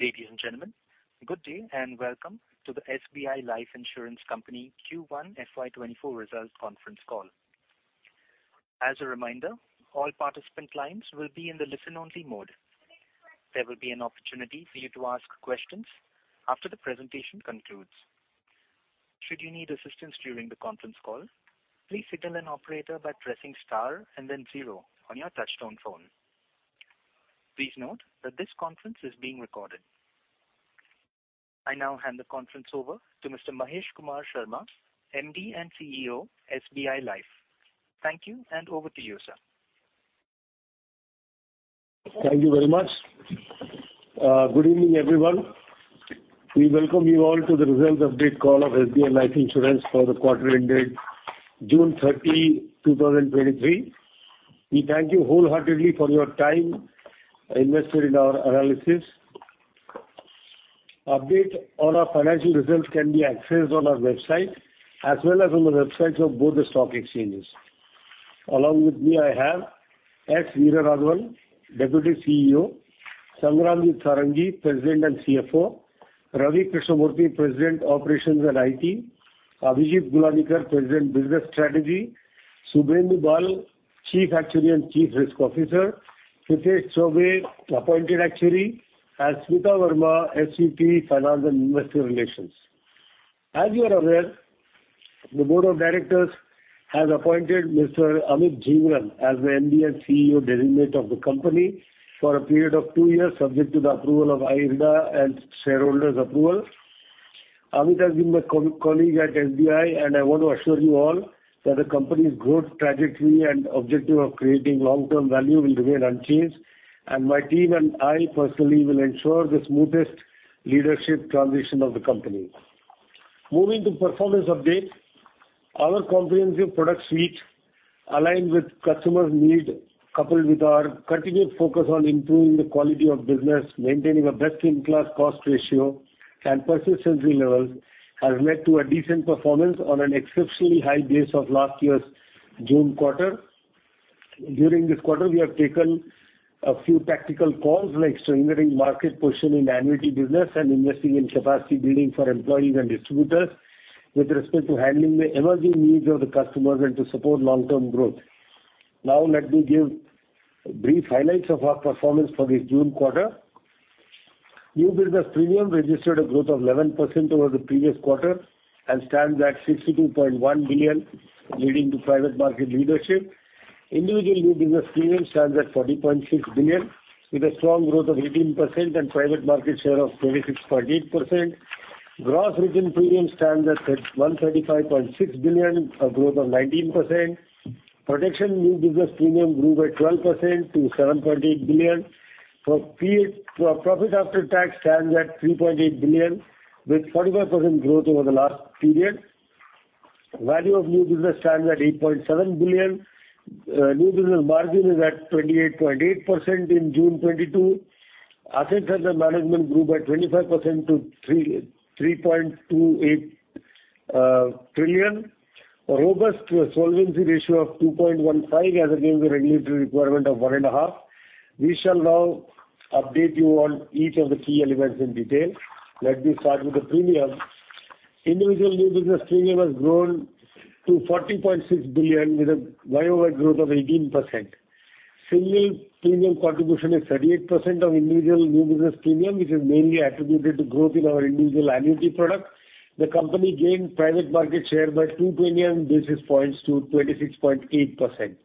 Ladies and gentlemen, good day, and welcome to the SBI Life Insurance Company Q1 FY 2024 Result Conference Call. As a reminder, all participant lines will be in the listen-only mode. There will be an opportunity for you to ask questions after the presentation concludes. Should you need assistance during the conference call, please signal an operator by pressing star and then zero on your touchtone phone. Please note that this conference is being recorded. I now hand the conference over to Mr. Mahesh Kumar Sharma, MD and CEO, SBI Life. Thank you, and over to you, sir. Thank you very much. Good evening, everyone. We welcome you all to the results update call of SBI Life Insurance for the quarter ended June 30, 2023. We thank you wholeheartedly for your time invested in our analysis. Update on our financial results can be accessed on our website as well as on the websites of both the stock exchanges. Along with me, I have S. Veeraraghavan, Deputy CEO; Sangramjit Sarangi, President and CFO; Ravi Krishnamurthy, President, Operations and IT; Abhijit Gulanikar, President, Business Strategy; Subhendu Bal, Chief Actuary and Chief Risk Officer; Prithesh Chaubey, Appointed Actuary; and Smita Verma, SVP, Finance and Investor Relations. As you are aware, the Board of Directors has appointed Mr. Amit Jhingran as the MD and CEO designate of the company for a period of 2 years, subject to the approval of IRDAI and shareholders' approval. Amit has been my colleague at SBI. I want to assure you all that the company's growth trajectory and objective of creating long-term value will remain unchanged. My team and I personally will ensure the smoothest leadership transition of the company. Moving to performance update. Our comprehensive product suite, aligned with customers' need, coupled with our continued focus on improving the quality of business, maintaining a best-in-class cost ratio and persistency levels, has led to a decent performance on an exceptionally high base of last year's June quarter. During this quarter, we have taken a few tactical calls, like strengthening market position in the annuity business and investing in capacity building for employees and distributors with respect to handling the emerging needs of the customers and to support long-term growth. Let me give brief highlights of our performance for the June quarter. New business premium registered a growth of 11% over the previous quarter and stands at 62.1 billion, leading to private market leadership. Individual new business premium stands at 40.6 billion, with a strong growth of 18% and private market share of 26.8%. Gross written premium stands at 135.6 billion, a growth of 19%. Protection new business premium grew by 12% to 7.8 billion. Profit after tax stands at 3.8 billion, with 45% growth over the last period. Value of new business stands at 8.7 billion. New business margin is at 28.8% in June 2022. Assets under management grew by 25% to 3.28 trillion. A robust solvency ratio of 2.15 as against the regulatory requirement of 1.5. We shall now update you on each of the key elements in detail. Let me start with the premium. Individual new business premium has grown to 40.6 billion, with a YoY growth of 18%. Single premium contribution is 38% of individual new business premium, which is mainly attributed to growth in our individual annuity product. The company gained private market share by 2 million basis points to 26.8%.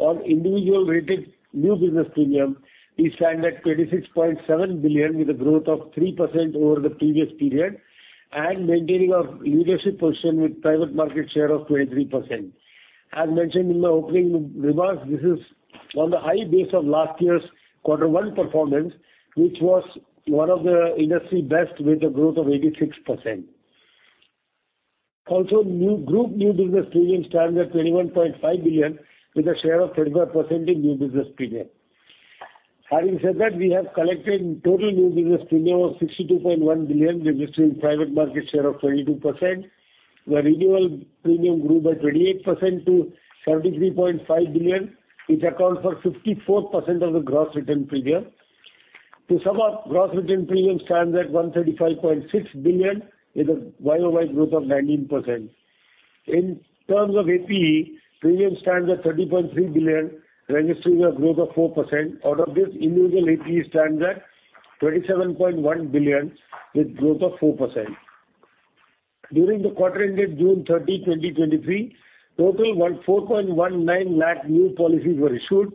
Our individual rated new business premium is standing at 26.7 billion, with a growth of 3% over the previous period, and maintaining our leadership position with private market share of 23%. As mentioned in my opening remarks, this is on the high base of last year's Q1 performance, which was one of the industry best with a growth of 86%. New group, New Business Premium stands at 21.5 billion with a share of 35% in New Business Premium. Having said that, we have collected total New Business Premium of 62.1 billion, registering private market share of 22%, where renewal premium grew by 28% to 33.5 billion, which accounts for 54% of the gross written premium. To sum up, gross written premium stands at 135.6 billion, with a YOY growth of 19%. In terms of APE, premium stands at 30.3 billion, registering a growth of 4%. Out of this, individual APE stands at 27.1 billion, with growth of 4%. During the quarter ended June 30, 2023, 4.19 lakh new policies were issued.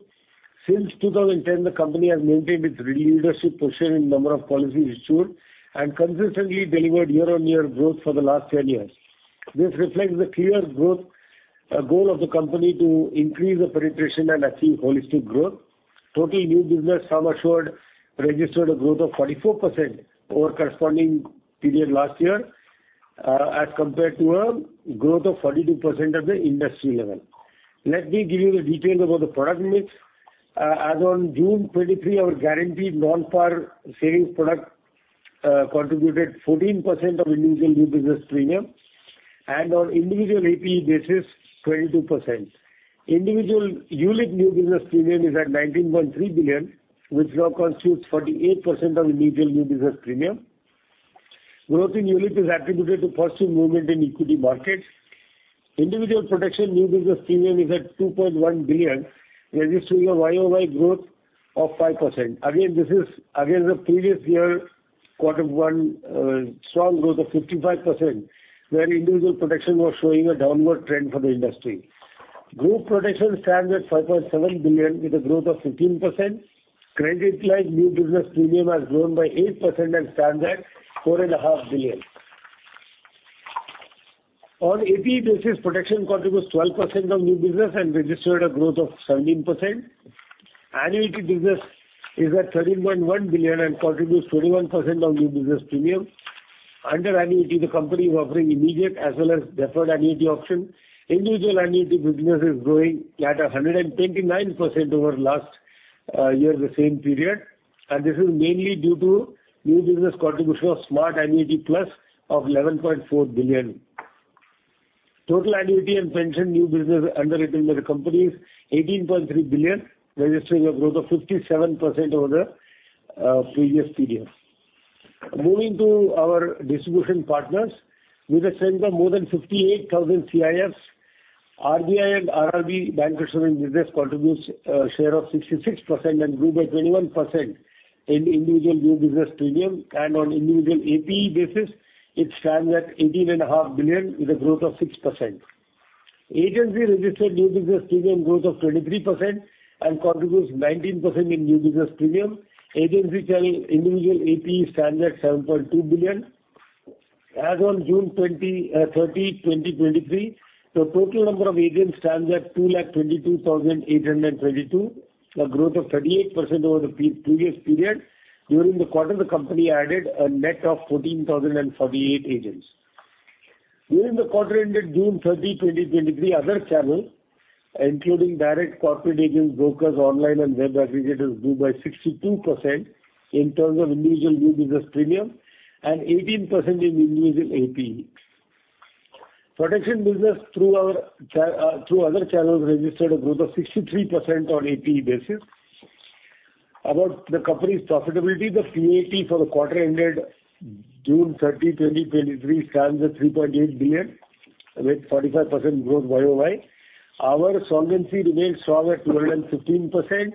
Since 2010, the company has maintained its leadership position in number of policies issued and consistently delivered year-on-year growth for the last 10 years. This reflects the clear growth goal of the company to increase the penetration and achieve holistic growth. Total new business sum assured registered a growth of 44% over corresponding period last year, as compared to a growth of 42% at the industry level. Let me give you the details about the product mix. As on June 23, our guaranteed non-par savings contributed 14% of individual new business premium, and on individual APE basis, 22%. Individual unit new business premium is at 19.3 billion, which now constitutes 48% of individual new business premium. Growth in unit is attributed to positive movement in equity markets. Individual protection new business premium is at 2.1 billion, registering a YOY growth of 5%. This is against the previous year, quarter one, strong growth of 55%, where individual protection was showing a downward trend for the industry. Group protection stands at 5.7 billion, with a growth of 15%. Credit life new business premium has grown by 8% and stands at four and a half billion. On APE basis, protection contributes 12% of new business and registered a growth of 17%. Annuity business is at 13.1 billion and contributes 21% of new business premium. Under annuity, the company is offering immediate as well as deferred annuity option. Individual annuity business is growing at 129% over last year, the same period. This is mainly due to new business contribution of Smart Annuity Plus of 11.4 billion. Total annuity and pension new business underwritten by the company is 18.3 billion, registering a growth of 57% over the previous period. Moving to our distribution partners. With a strength of more than 58,000 CIFs, RBI and RRB bankers doing business contributes a share of 66% and grew by 21% in individual new business premium, and on individual APE basis, it stands at 18.5 billion, with a growth of 6%. Agency registered new business premium growth of 23% and contributes 19% in new business premium. Agency channel individual APE stands at 7.2 billion. As on June 30, 2023, the total number of agents stands at 2,22,822, a growth of 38% over the pre-previous period. During the quarter, the company added a net of 14,048 agents. During the quarter ended June 30, 2023, other channels, including direct corporate agents, brokers, online and web aggregators, grew by 62% in terms of individual new business premium and 18% in individual APE. Protection business through other channels registered a growth of 63% on APE basis. About the company's profitability, the PAT for the quarter ended June 30, 2023, stands at INR 3.8 billion, with 45% growth YOY. Our solvency remains strong at 12% and 15%.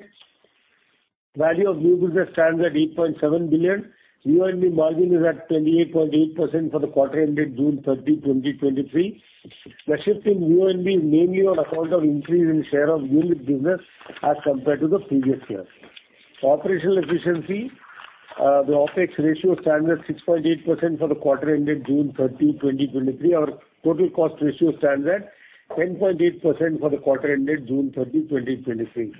Value of new business stands at 8.7 billion. VNB margin is at 28.8% for the quarter ended June 30, 2023. The shift in VNB is mainly on account of increase in share of new business as compared to the previous year. Operational efficiency, the OpEx ratio stands at 6.8% for the quarter ended June 30, 2023. Our total cost ratio stands at 10.8% for the quarter ended June 30, 2023.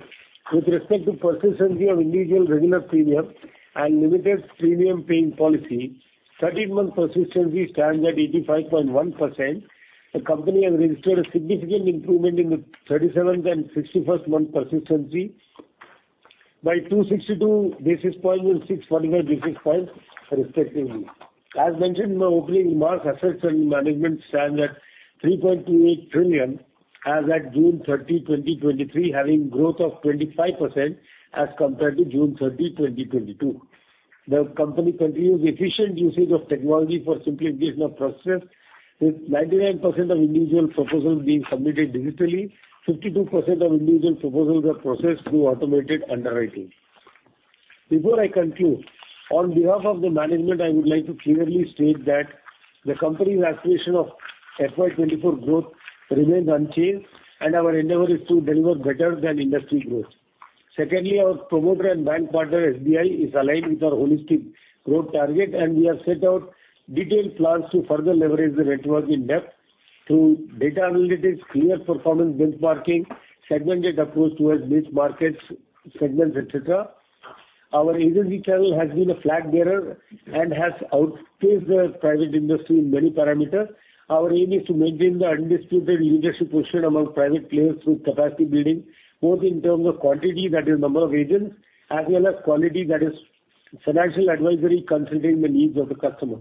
With respect to persistency of individual regular premium and limited premium paying policy, 13-month persistency stands at 85.1%. The company has registered a significant improvement in the 37th and 61st month persistency by 262 basis points and 645 basis points, respectively. As mentioned in my opening remarks, assets under management stand at 3.28 trillion as at June 30, 2023, having growth of 25% as compared to June 30, 2022. The company continues efficient usage of technology for simplification of processes, with 99% of individual proposals being submitted digitally, 52% of individual proposals are processed through automated underwriting. Before I conclude, on behalf of the management, I would like to clearly state that the company's aspiration of FY 2024 growth remains unchanged. Our endeavor is to deliver better than industry growth. Secondly, our promoter and bank partner, SBI, is aligned with our holistic growth target. We have set out detailed plans to further leverage the network in-depth through data analytics, clear performance benchmarking, segmented approach towards niche markets, segments, et cetera. Our agency channel has been a flag bearer and has outpaced the private industry in many parameters. Our aim is to maintain the undisputed leadership position among private players through capacity building, both in terms of quantity, that is number of agents, as well as quality, that is financial advisory, considering the needs of the customer.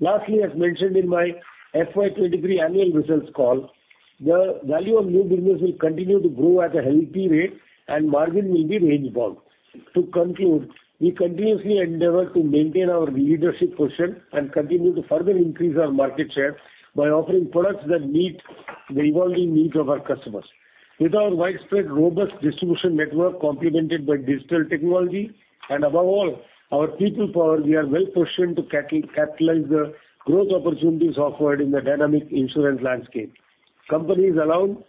Lastly, as mentioned in my FY 2023 annual results call, the Value of New Business will continue to grow at a healthy rate and margin will be range bound. We continuously endeavor to maintain our leadership position and continue to further increase our market share by offering products that meet the evolving needs of our customers. With our widespread robust distribution network, complemented by digital technology and above all, our people power, we are well positioned to capitalize the growth opportunities offered in the dynamic insurance landscape. The company is aligned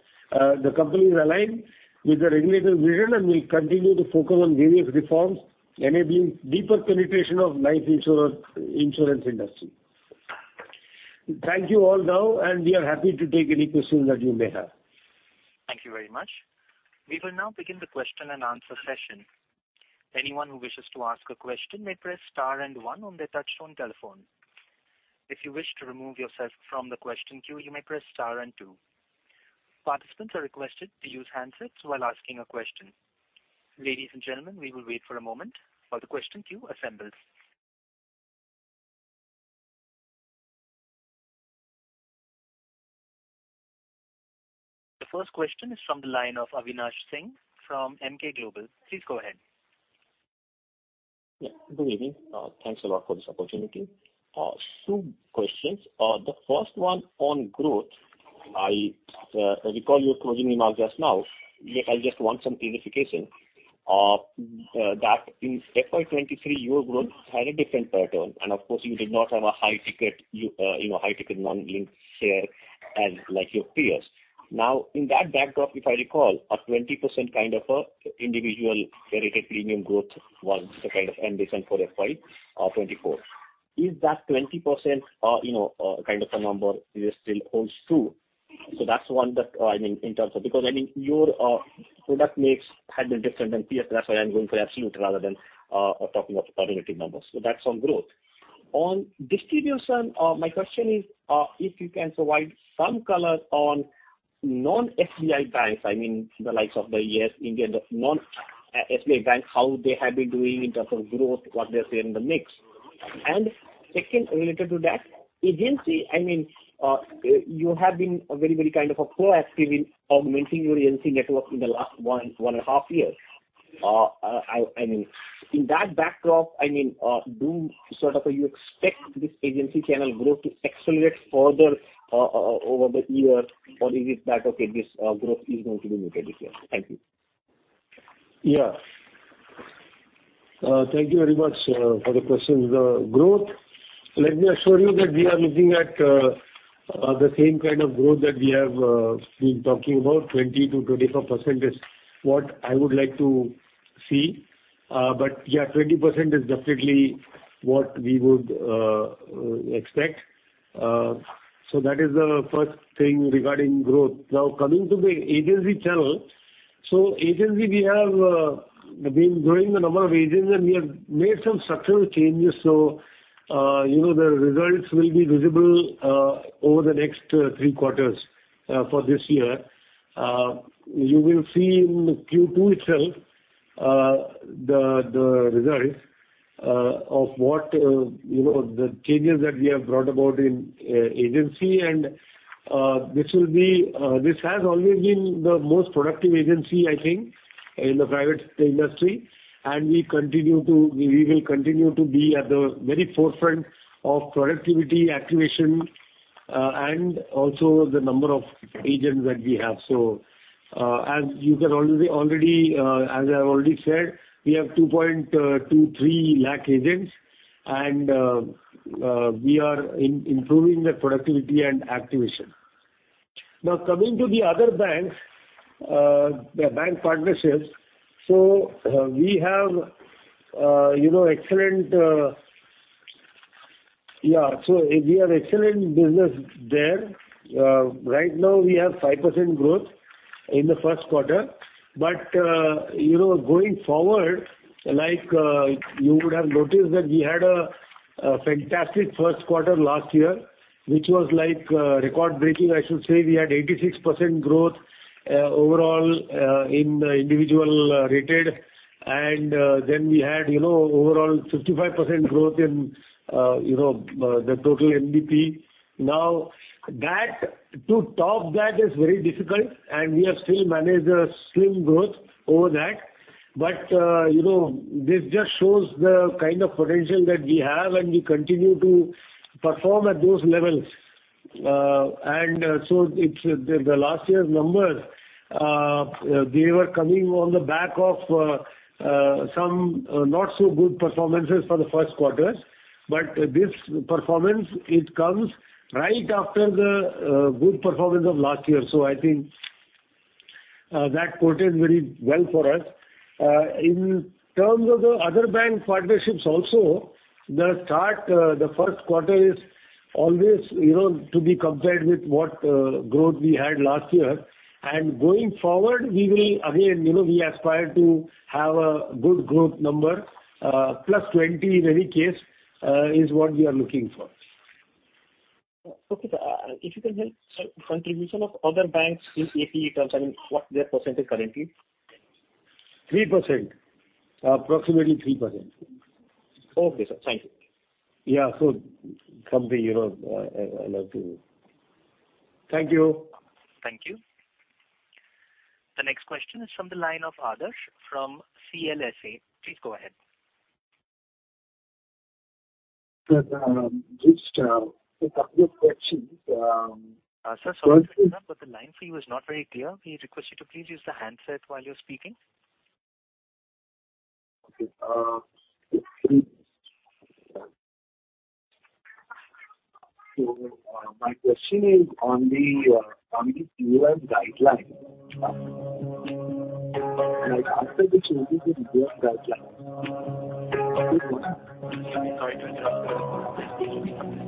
with the regulatory vision. We'll continue to focus on various reforms, enabling deeper penetration of life insurance industry. Thank you all now. We are happy to take any questions that you may have. Thank you very much. We will now begin the question and answer session. Anyone who wishes to ask a question may press star and one on their touchtone telephone. If you wish to remove yourself from the question queue, you may press star and two. Participants are requested to use handsets while asking a question. Ladies and gentlemen, we will wait for a moment while the question queue assembles. The first question is from the line of Avinash Singh from Emkay Global. Please go ahead. Yeah. Good evening. Thanks a lot for this opportunity. two questions. The first one on growth. I recall your closing remarks just now, yet I just want some clarification. That in FY 2023, your growth had a different pattern, and of course, you did not have a high-ticket, you know, high-ticket non-linked share as like your peers. In that backdrop, if I recall, a 20% kind of Individual Rated Premium growth was the kind of ambition for FY 2024. Is that 20%, you know, kind of a number it still holds true? That's one that, I mean, Because, I mean, your product mix had been different than peers. That's why I'm going for absolute rather than talking about relative numbers. That's on growth. On distribution, my question is, if you can provide some color on non-SBI banks, I mean, the likes of the Yes Bank, Indian, the non-SBI banks, how they have been doing in terms of growth, what they say in the mix. Second, related to that, agency, I mean, you have been a very kind of a proactive in augmenting your agency network in the last 1 and a half years. I mean, in that backdrop, I mean, do sort of you expect this agency channel growth to accelerate further over the year, or is it that, okay, this growth is going to be maintained this year? Thank you. Yeah. Thank you very much for the questions. The growth, let me assure you that we are looking at the same kind of growth that we have been talking about. 20%-25% is what I would like to see. Yeah, 20% is definitely what we would expect. That is the first thing regarding growth. Now, coming to the agency channel. Agency, we have been growing the number of agents, and we have made some structural changes, so, you know, the results will be visible over the next 3 quarters for this year. You will see in Q2 itself the results of what, you know, the changes that we have brought about in agency. This has always been the most productive agency, I think, in the private industry, and we will continue to be at the very forefront of productivity, activation, and also the number of agents that we have. As you can already, as I have already said, we have 2.23 lakh agents, and we are improving their productivity and activation. Now, coming to the other banks, the bank partnerships, so we have, you know, excellent business there. Right now, we have 5% growth in the first quarter, but, you know, going forward, like, you would have noticed that we had a fantastic first quarter last year, which was like, record-breaking, I should say. We had 86% growth, overall, in individual, rated, we had, you know, overall 55% growth in, you know, the total NBP. That, to top that is very difficult, we have still managed a slim growth over that. You know, this just shows the kind of potential that we have, we continue to perform at those levels. It's the last year's numbers, they were coming on the back of, some, not so good performances for the first quarters, this performance, it comes right after the, good performance of last year. I think, that bodes very well for us. In terms of the other bank partnerships also, the first quarter is always to be compared with what growth we had last year. Going forward, we will again, we aspire to have a good growth number, +20, in any case, is what we are looking for. Okay, sir. If you can help, sir, contribution of other banks in APE terms, I mean, what their percentage currently? 3%. Approximately 3%. Okay, sir. Thank you. Yeah, from the, you know, I love to... Thank you. Thank you. The next question is from the line of Adarsh from CLSA. Please go ahead. Just the previous question. Sir, sorry to interrupt, but the line for you is not very clear. We request you to please use the handset while you're speaking. My question is on the ULIP guidelines. Like, after the changes in ULIP guidelines...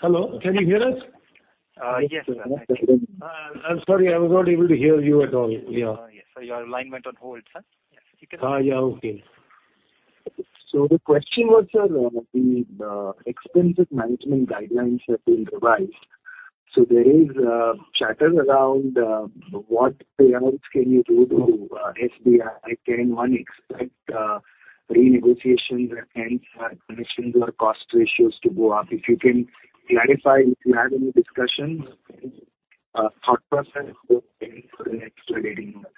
Sorry to interrupt, but... Hello, can you hear us? Yes, sir. I'm sorry, I was not able to hear you at all. Yes, sir, your line went on hold, sir. Okay. The question was, sir, the expensive management guidelines have been revised. There is chatter around what payouts can you do to SBI? Can one expect renegotiation that can commission or cost ratios to go up? If you can clarify if you had any discussions, thought process for the next 12, 18 months.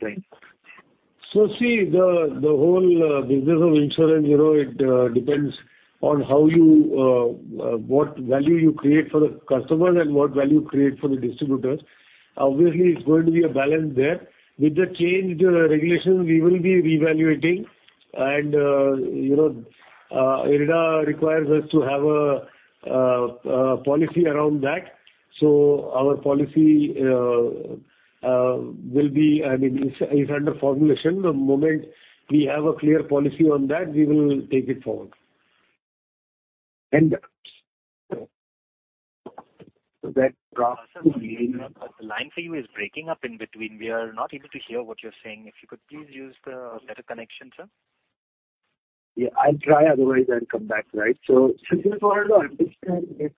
Thanks. See, the whole business of insurance, you know, it depends on how you what value you create for the customer and what value you create for the distributors. Obviously, it's going to be a balance there. With the change in the regulation, we will be reevaluating and, you know, IRDAI requires us to have a policy around that. Our policy will be, I mean, is under formulation. The moment we have a clear policy on that, we will take it forward. So that- Sir, the line for you is breaking up in between. We are not able to hear what you're saying. If you could please use the better connection, sir. Yeah, I'll try, otherwise I'll come back, right? Since we want to understand if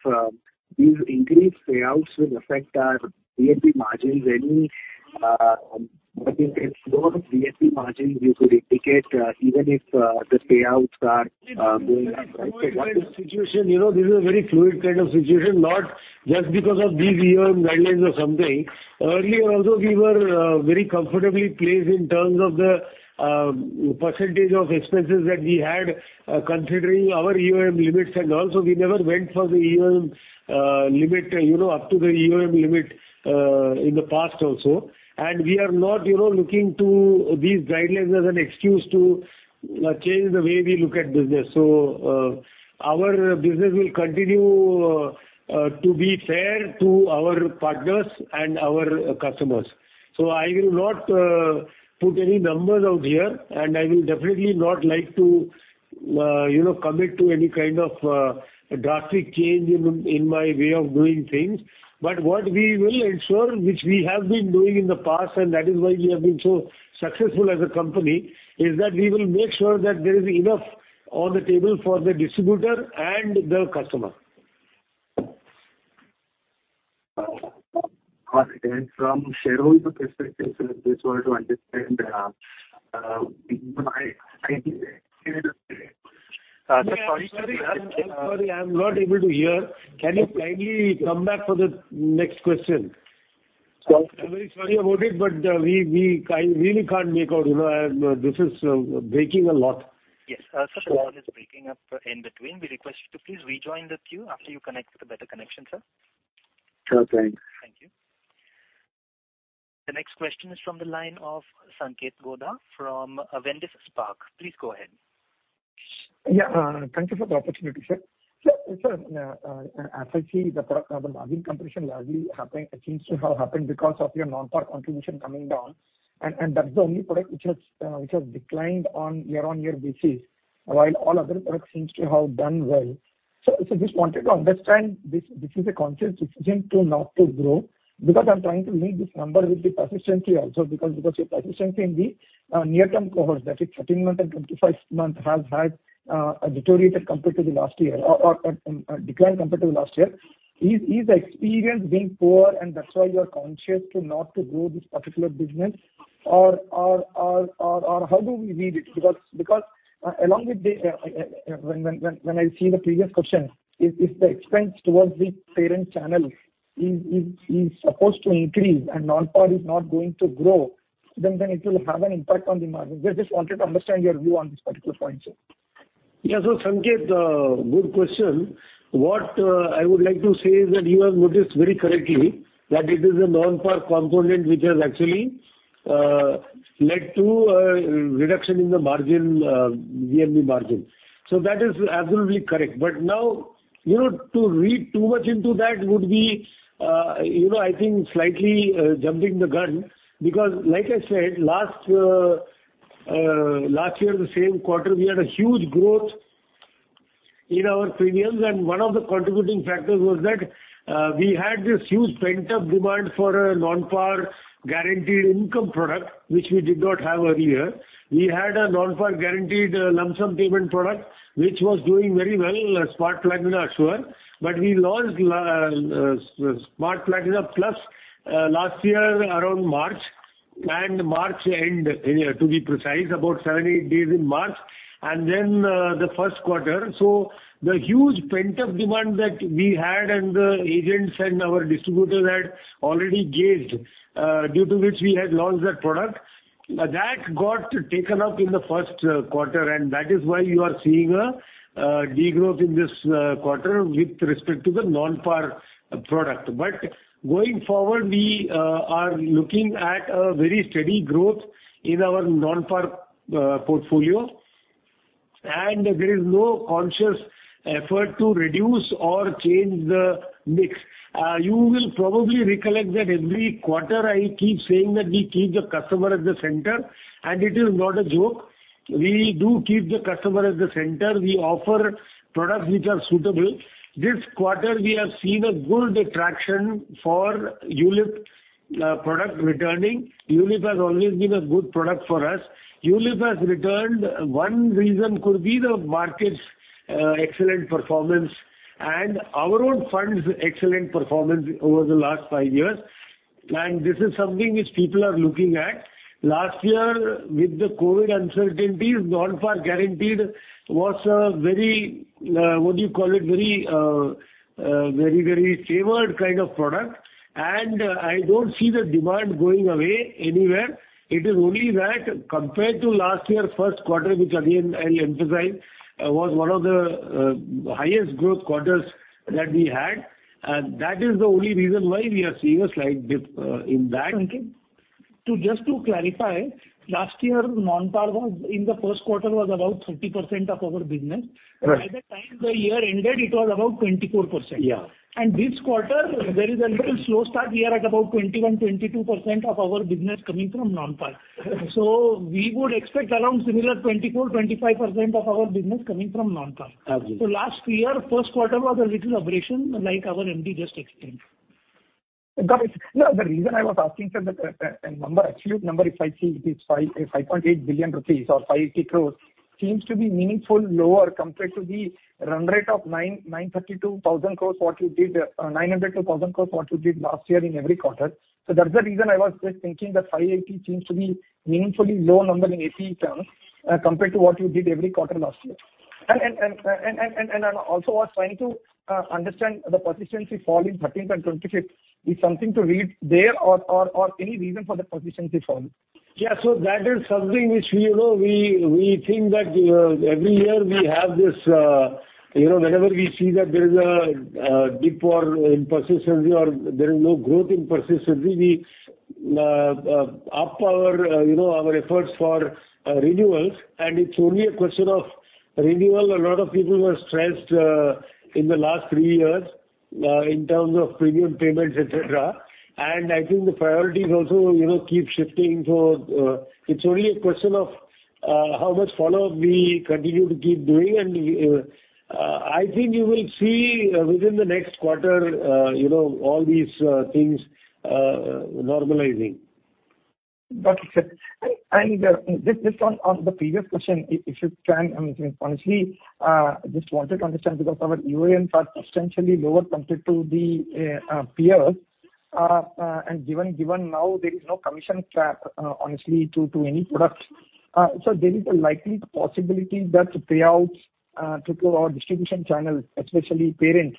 these increased payouts will affect our VNB margins, any, what if it's more VNB margins you could indicate, even if the payouts are going up? Situation, you know, this is a very fluid kind of situation, not just because of these EOM guidelines or something. Earlier also, we were very comfortably placed in terms of the percent of expenses that we had considering our EOM limits. We never went for the EOM limit, you know, up to the EOM limit in the past also. We are not, you know, looking to these guidelines as an excuse to change the way we look at business. Our business will continue to be fair to our partners and our customers. I will not put any numbers out here, and I will definitely not like to, you know, commit to any kind of drastic change in my way of doing things. What we will ensure, which we have been doing in the past, and that is why we have been so successful as a company, is that we will make sure that there is enough on the table for the distributor and the customer. All right. From shareholder perspective, just want to understand. Sorry, I'm not able to hear. Can you kindly come back for the next question? I'm very sorry about it, but I really can't make out, you know, this is breaking a lot. Yes, sir, the line is breaking up in between. We request you to please rejoin the queue after you connect with a better connection, sir. Okay, thanks. Thank you. The next question is from the line of Sanketh Godha from Avendus Spark. Please go ahead. Yeah, thank you for the opportunity, sir. As I see, the product, the margin compression largely happened, seems to have happened because of your non-par contribution coming down, and that's the only product which has declined on year-on-year basis, while all other products seems to have done well. Just wanted to understand this is a conscious decision to not to grow, because I'm trying to read this number with the persistently also, because your persistently in the near-term cohorts, that is 13 month and 25 month, has deteriorated compared to the last year or a decline compared to the last year. Is the experience being poor and that's why you are conscious to not to grow this particular business? Or how do we read it? Because along with the when I see the previous question, if the expense towards the parent channel is supposed to increase and non-par is not going to grow, then it will have an impact on the margin. Just wanted to understand your view on this particular point, sir. Sanket, good question. What I would like to say is that you have noticed very correctly that it is a non-par component which has actually led to a reduction in the margin, VNB margin. That is absolutely correct. Now, you know, to read too much into that would be, you know, I think slightly jumping the gun, because like I said, last year, the same quarter, we had a huge growth in our premiums, and one of the contributing factors was that we had this huge pent-up demand for a non-par guaranteed income product, which we did not have earlier. We had a non-par guaranteed lump sum payment product, which was doing very well, Smart Platina Assure. We launched Smart Platina Plus last year around March, and March end, to be precise, about seven, eight days in March, and then the first quarter. The huge pent-up demand that we had and the agents and our distributors had already gauged, due to which we had launched that product, that got taken up in the first quarter, and that is why you are seeing a degrowth in this quarter with respect to the non-par product. Going forward, we are looking at a very steady growth in our non-par portfolio. There is no conscious effort to reduce or change the mix. You will probably recollect that every quarter I keep saying that we keep the customer at the center, and it is not a joke. We do keep the customer at the center. We offer products which are suitable. This quarter, we have seen a good traction for ULIP product returning. ULIP has always been a good product for us. One reason could be the market's excellent performance and our own fund's excellent performance over the last 5 years, and this is something which people are looking at. Last year, with the COVID uncertainties, non-par guaranteed was a very, what do you call it? Very favored kind of product, and I don't see the demand going away anywhere. It is only that compared to last year, 1st quarter, which again, I'll emphasize, was one of the highest growth quarters that we had, and that is the only reason why we are seeing a slight dip in that. Just to clarify, last year, non-par in the first quarter was about 30% of our business. Right. By the time the year ended, it was about 24%. Yeah. This quarter, there is a little slow start. We are at about 21, 22% of our business coming from non-par. Right. We would expect around similar 24%-25% of our business coming from non-par. Agreed. Last year, first quarter was a little aberration, like our MD just explained. Got it. No, the reason I was asking, sir, that number, absolute number, if I see, it is 5.8 billion rupees or 580 crores, seems to be meaningfully lower compared to the run rate of 900-1,000 crores, what you did last year in every quarter. That's the reason I was just thinking that 580 seems to be meaningfully low number in APE terms compared to what you did every quarter last year. I also was trying to understand the persistency fall in 13th and 25th. Is something to read there or any reason for the persistency fall? Yeah, so that is something which we, you know, we think that every year we have this. You know, whenever we see that there is a dip or in persistency or there is no growth in persistency, we up our, you know, our efforts for renewals, and it's only a question of renewal. A lot of people were stressed in the last three years in terms of premium payments, et cetera. I think the priorities also, you know, keep shifting. It's only a question of how much follow-up we continue to keep doing. I think you will see within the next quarter, you know, all these things normalizing. Got it, sir. Just on the previous question, if you can, I mean, honestly, just wanted to understand, because our UAM are substantially lower compared to the peers. Given now there is no commission trap, honestly, to any product, so there is a likely possibility that the payouts, to our distribution channel, especially parents,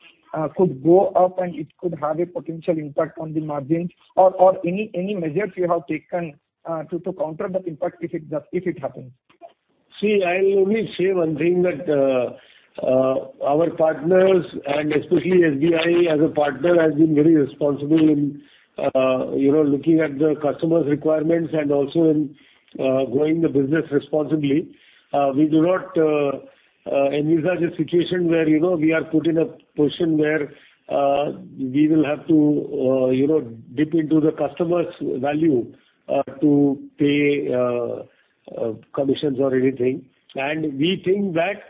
could go up, and it could have a potential impact on the margins. Any measures you have taken, to counter that impact if it happens? See, I'll only say one thing, that our partners and especially SBI as a partner, has been very responsible in, you know, looking at the customers' requirements and also in growing the business responsibly. We do not envisage a situation where, you know, we are put in a position where we will have to, you know, dip into the customer's value to pay commissions or anything. We think that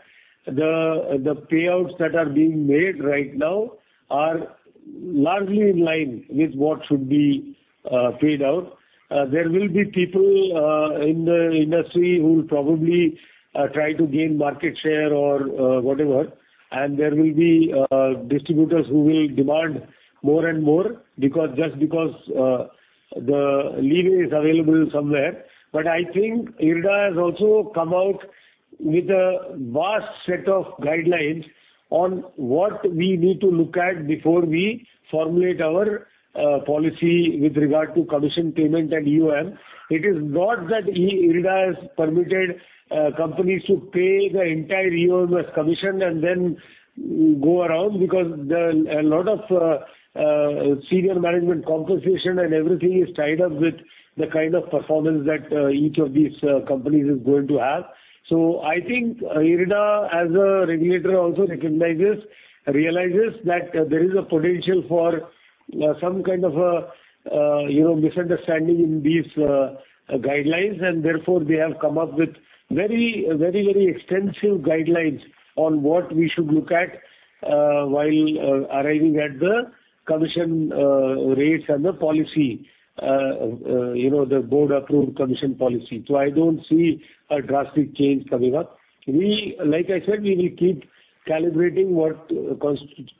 the payouts that are being made right now are largely in line with what should be paid out. There will be people in the industry who will probably try to gain market share or whatever, and there will be distributors who will demand more and more because, just because the leeway is available somewhere. I think IRDAI has also come out with a vast set of guidelines on what we need to look at before we formulate our policy with regard to commission payment and UAM. It is not that IRDAI has permitted companies to pay the entire UAM as commission and then go around, because there are a lot of senior management compensation and everything is tied up with the kind of performance that each of these companies is going to have. I think IRDAI, as a regulator, also realizes that there is a potential for some kind of, you know, misunderstanding in these guidelines. Therefore, they have come up with very, very, very extensive guidelines on what we should look at, while arriving at the commission, rates and the policy, you know, the board-approved commission policy. I don't see a drastic change coming up. Like I said, we will keep calibrating what constitutes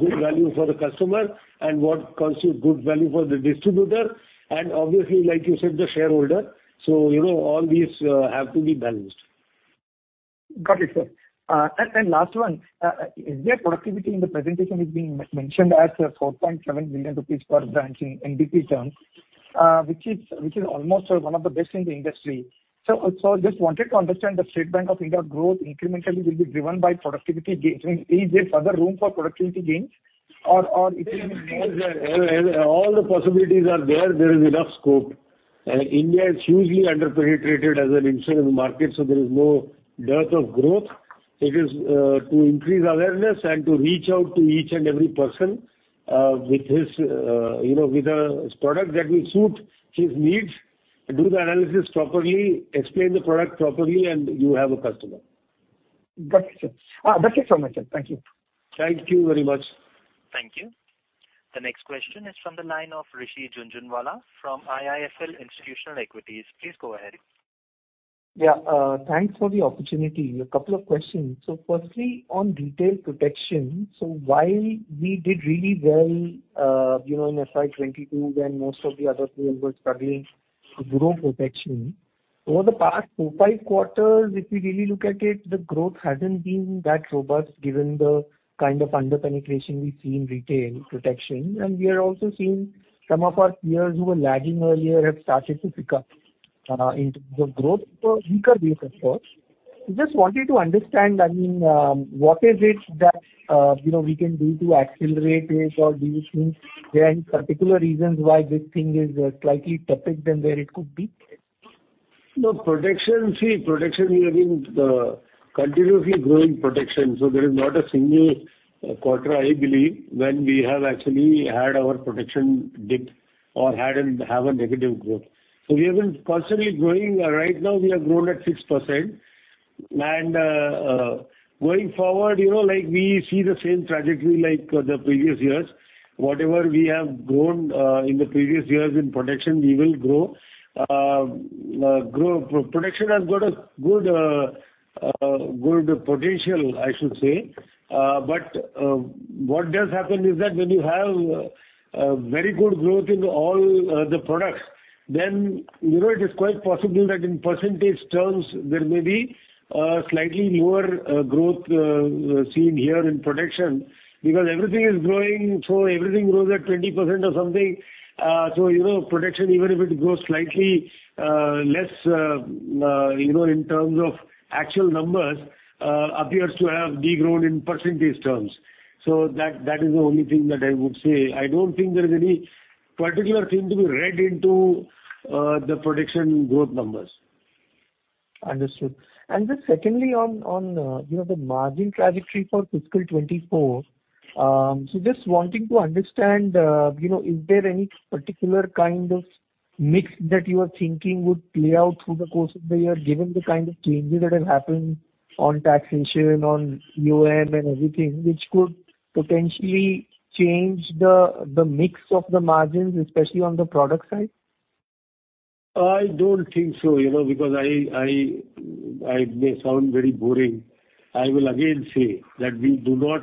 good value for the customer and what constitutes good value for the distributor, and obviously, like you said, the shareholder. You know, all these, have to be balanced. Got it, sir. Last one. India productivity in the presentation is being mentioned as 4.7 billion rupees per branch in NDP terms, which is almost one of the best in the industry. Just wanted to understand, the State Bank of India growth incrementally will be driven by productivity gains. I mean, is there further room for productivity gains or it is? All the possibilities are there. There is enough scope. India is hugely underpenetrated as an insurance market, so there is no dearth of growth. It is to increase awareness and to reach out to each and every person, you know, with a product that will suit his needs. Do the analysis properly, explain the product properly. You have a customer. Got it, sir. That's it from my side. Thank you. Thank you very much. Thank you. The next question is from the line of Rishi Jhunjhunwala from IIFL Institutional Equities. Please go ahead. Yeah, thanks for the opportunity. A couple of questions. Firstly, on retail protection, while we did really well, you know, in FY 2022, when most of the other players were struggling to grow protection, over the past 2, 5 quarters, if you really look at it, the growth hasn't been that robust given the kind of under-penetration we see in retail protection. We are also seeing some of our peers who were lagging earlier have started to pick up, in terms of growth, weaker base, of course. I just wanted to understand, I mean, what is it that, you know, we can do to accelerate this or do you think there are any particular reasons why this thing is slightly tougher than where it could be? No, protection. See, protection, we have been continuously growing protection, so there is not a single quarter, I believe, when we have actually had our protection dip or have a negative growth. We have been constantly growing. Right now, we have grown at 6%. Going forward, you know, like, we see the same trajectory like the previous years. Whatever we have grown, in the previous years in protection, we will grow. Protection has got a good potential, I should say. What does happen is that when you have a very good growth in all the products, then, you know, it is quite possible that in percentage terms, there may be a slightly lower growth seen here in protection. Because everything is growing, so everything grows at 20% or something. You know, protection, even if it grows slightly, less, you know, in terms of actual numbers, appears to have de-grown in percentage terms. That is the only thing that I would say. I don't think there is any particular thing to be read into, the protection growth numbers. Understood. Secondly, on, you know, the margin trajectory for FY 2024, just wanting to understand, you know, is there any particular kind of mix that you are thinking would play out through the course of the year, given the kind of changes that have happened on taxation, on UAM and everything, which could potentially change the mix of the margins, especially on the product side? I don't think so, you know, because I, I may sound very boring. I will again say that we do not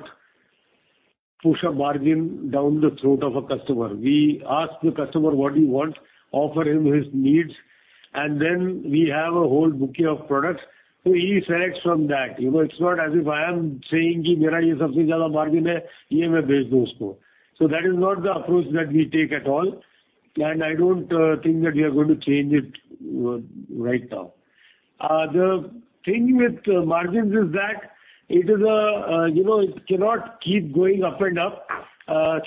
push a margin down the throat of a customer. We ask the customer what he wants, offer him his needs, and then we have a whole bouquet of products, so he selects from that. You know, it's not as if I am saying, "Mera ye sabse jyada margin hai, ye main bech do usko." That is not the approach that we take at all, and I don't think that we are going to change it right now. The thing with margins is that it is a, you know, it cannot keep going up and up.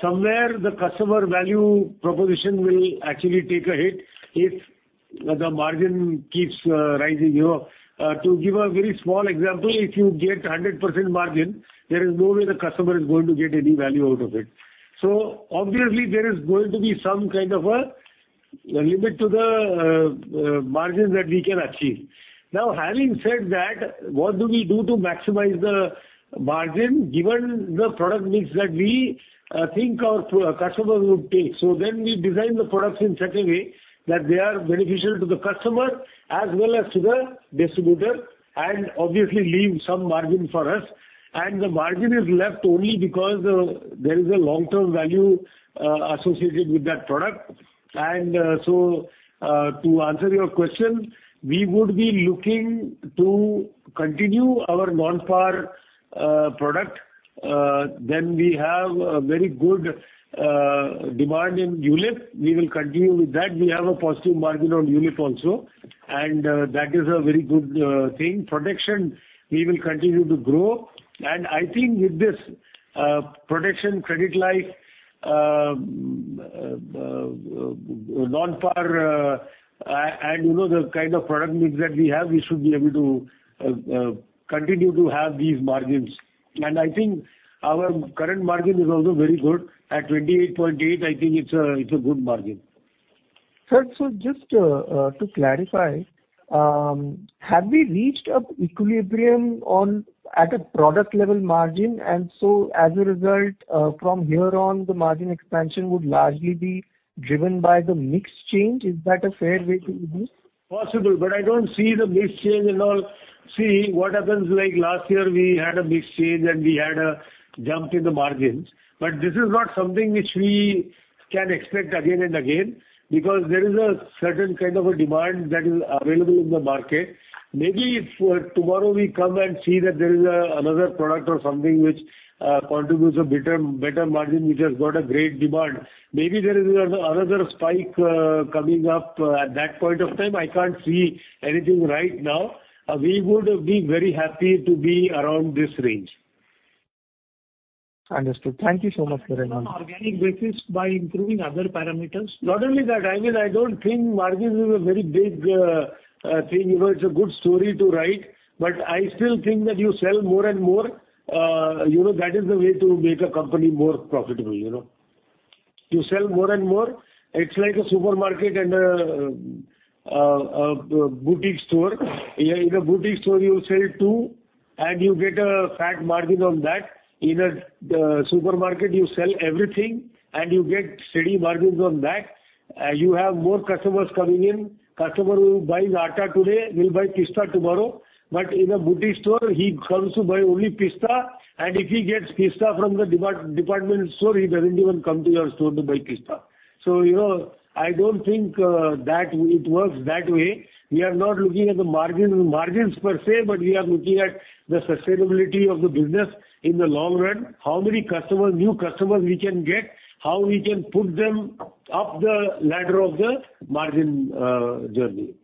Somewhere the customer value proposition will actually take a hit if the margin keeps rising, you know. To give a very small example, if you get a 100% margin, there is no way the customer is going to get any value out of it. Obviously, there is going to be some kind of a limit to the margin that we can achieve. Having said that, what do we do to maximize the margin, given the product mix that we think our customers would take? We design the products in such a way that they are beneficial to the customer as well as to the distributor, and obviously leave some margin for us. The margin is left only because there is a long-term value associated with that product. To answer your question, we would be looking to continue our non-par product. Then we have a very good demand in ULIP. We will continue with that. We have a positive margin on ULIP also. That is a very good thing. Protection, we will continue to grow. I think with this protection, credit life, non-par, and, you know, the kind of product mix that we have, we should be able to continue to have these margins. I think our current margin is also very good. At 28.8%, I think it's a good margin. Sir, so just to clarify, have we reached an equilibrium at a product level margin? As a result, from here on, the margin expansion would largely be driven by the mix change. Is that a fair way to look? Possible. I don't see the mix change and all. What happens, like last year, we had a mix change, we had a jump in the margins. This is not something which we can expect again and again, because there is a certain kind of a demand that is available in the market. Maybe if tomorrow we come and see that there is another product or something which contributes a better margin, which has got a great demand, maybe there is another spike coming up at that point of time. I can't see anything right now. We would be very happy to be around this range. Understood. Thank you so much, [Kiran]. Organic basis by improving other parameters. Not only that, I mean, I don't think margin is a very big thing. You know, it's a good story to write, but I still think that you sell more and more, you know, that is the way to make a company more profitable, you know. You sell more and more, it's like a supermarket and a boutique store. In a boutique store, you sell two, and you get a fat margin on that. In a supermarket, you sell everything, and you get steady margins on that. You have more customers coming in. Customer who buys atta today will buy pista tomorrow, but in a boutique store, he comes to buy only pista, and if he gets pista from the department store, he doesn't even come to your store to buy pista. You know, I don't think that it works that way. We are not looking at the margins per se, but we are looking at the sustainability of the business in the long run. How many customers, new customers we can get? How we can put them up the ladder of the margin journey?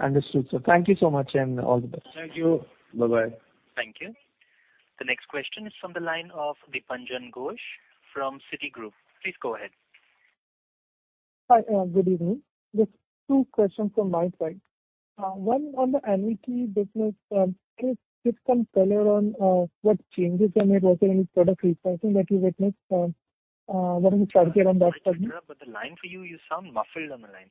Understood, sir. Thank you so much. All the best. Thank you. Bye-bye. Thank you. The next question is from the line of Dipanjan Ghosh from Citigroup. Please go ahead. Hi, good evening. Just 2 questions from my side. One, on the annuity business, can you give some color on what changes are made also in product repricing that you witnessed, what is the strategy around that? The line for you sound muffled on the line,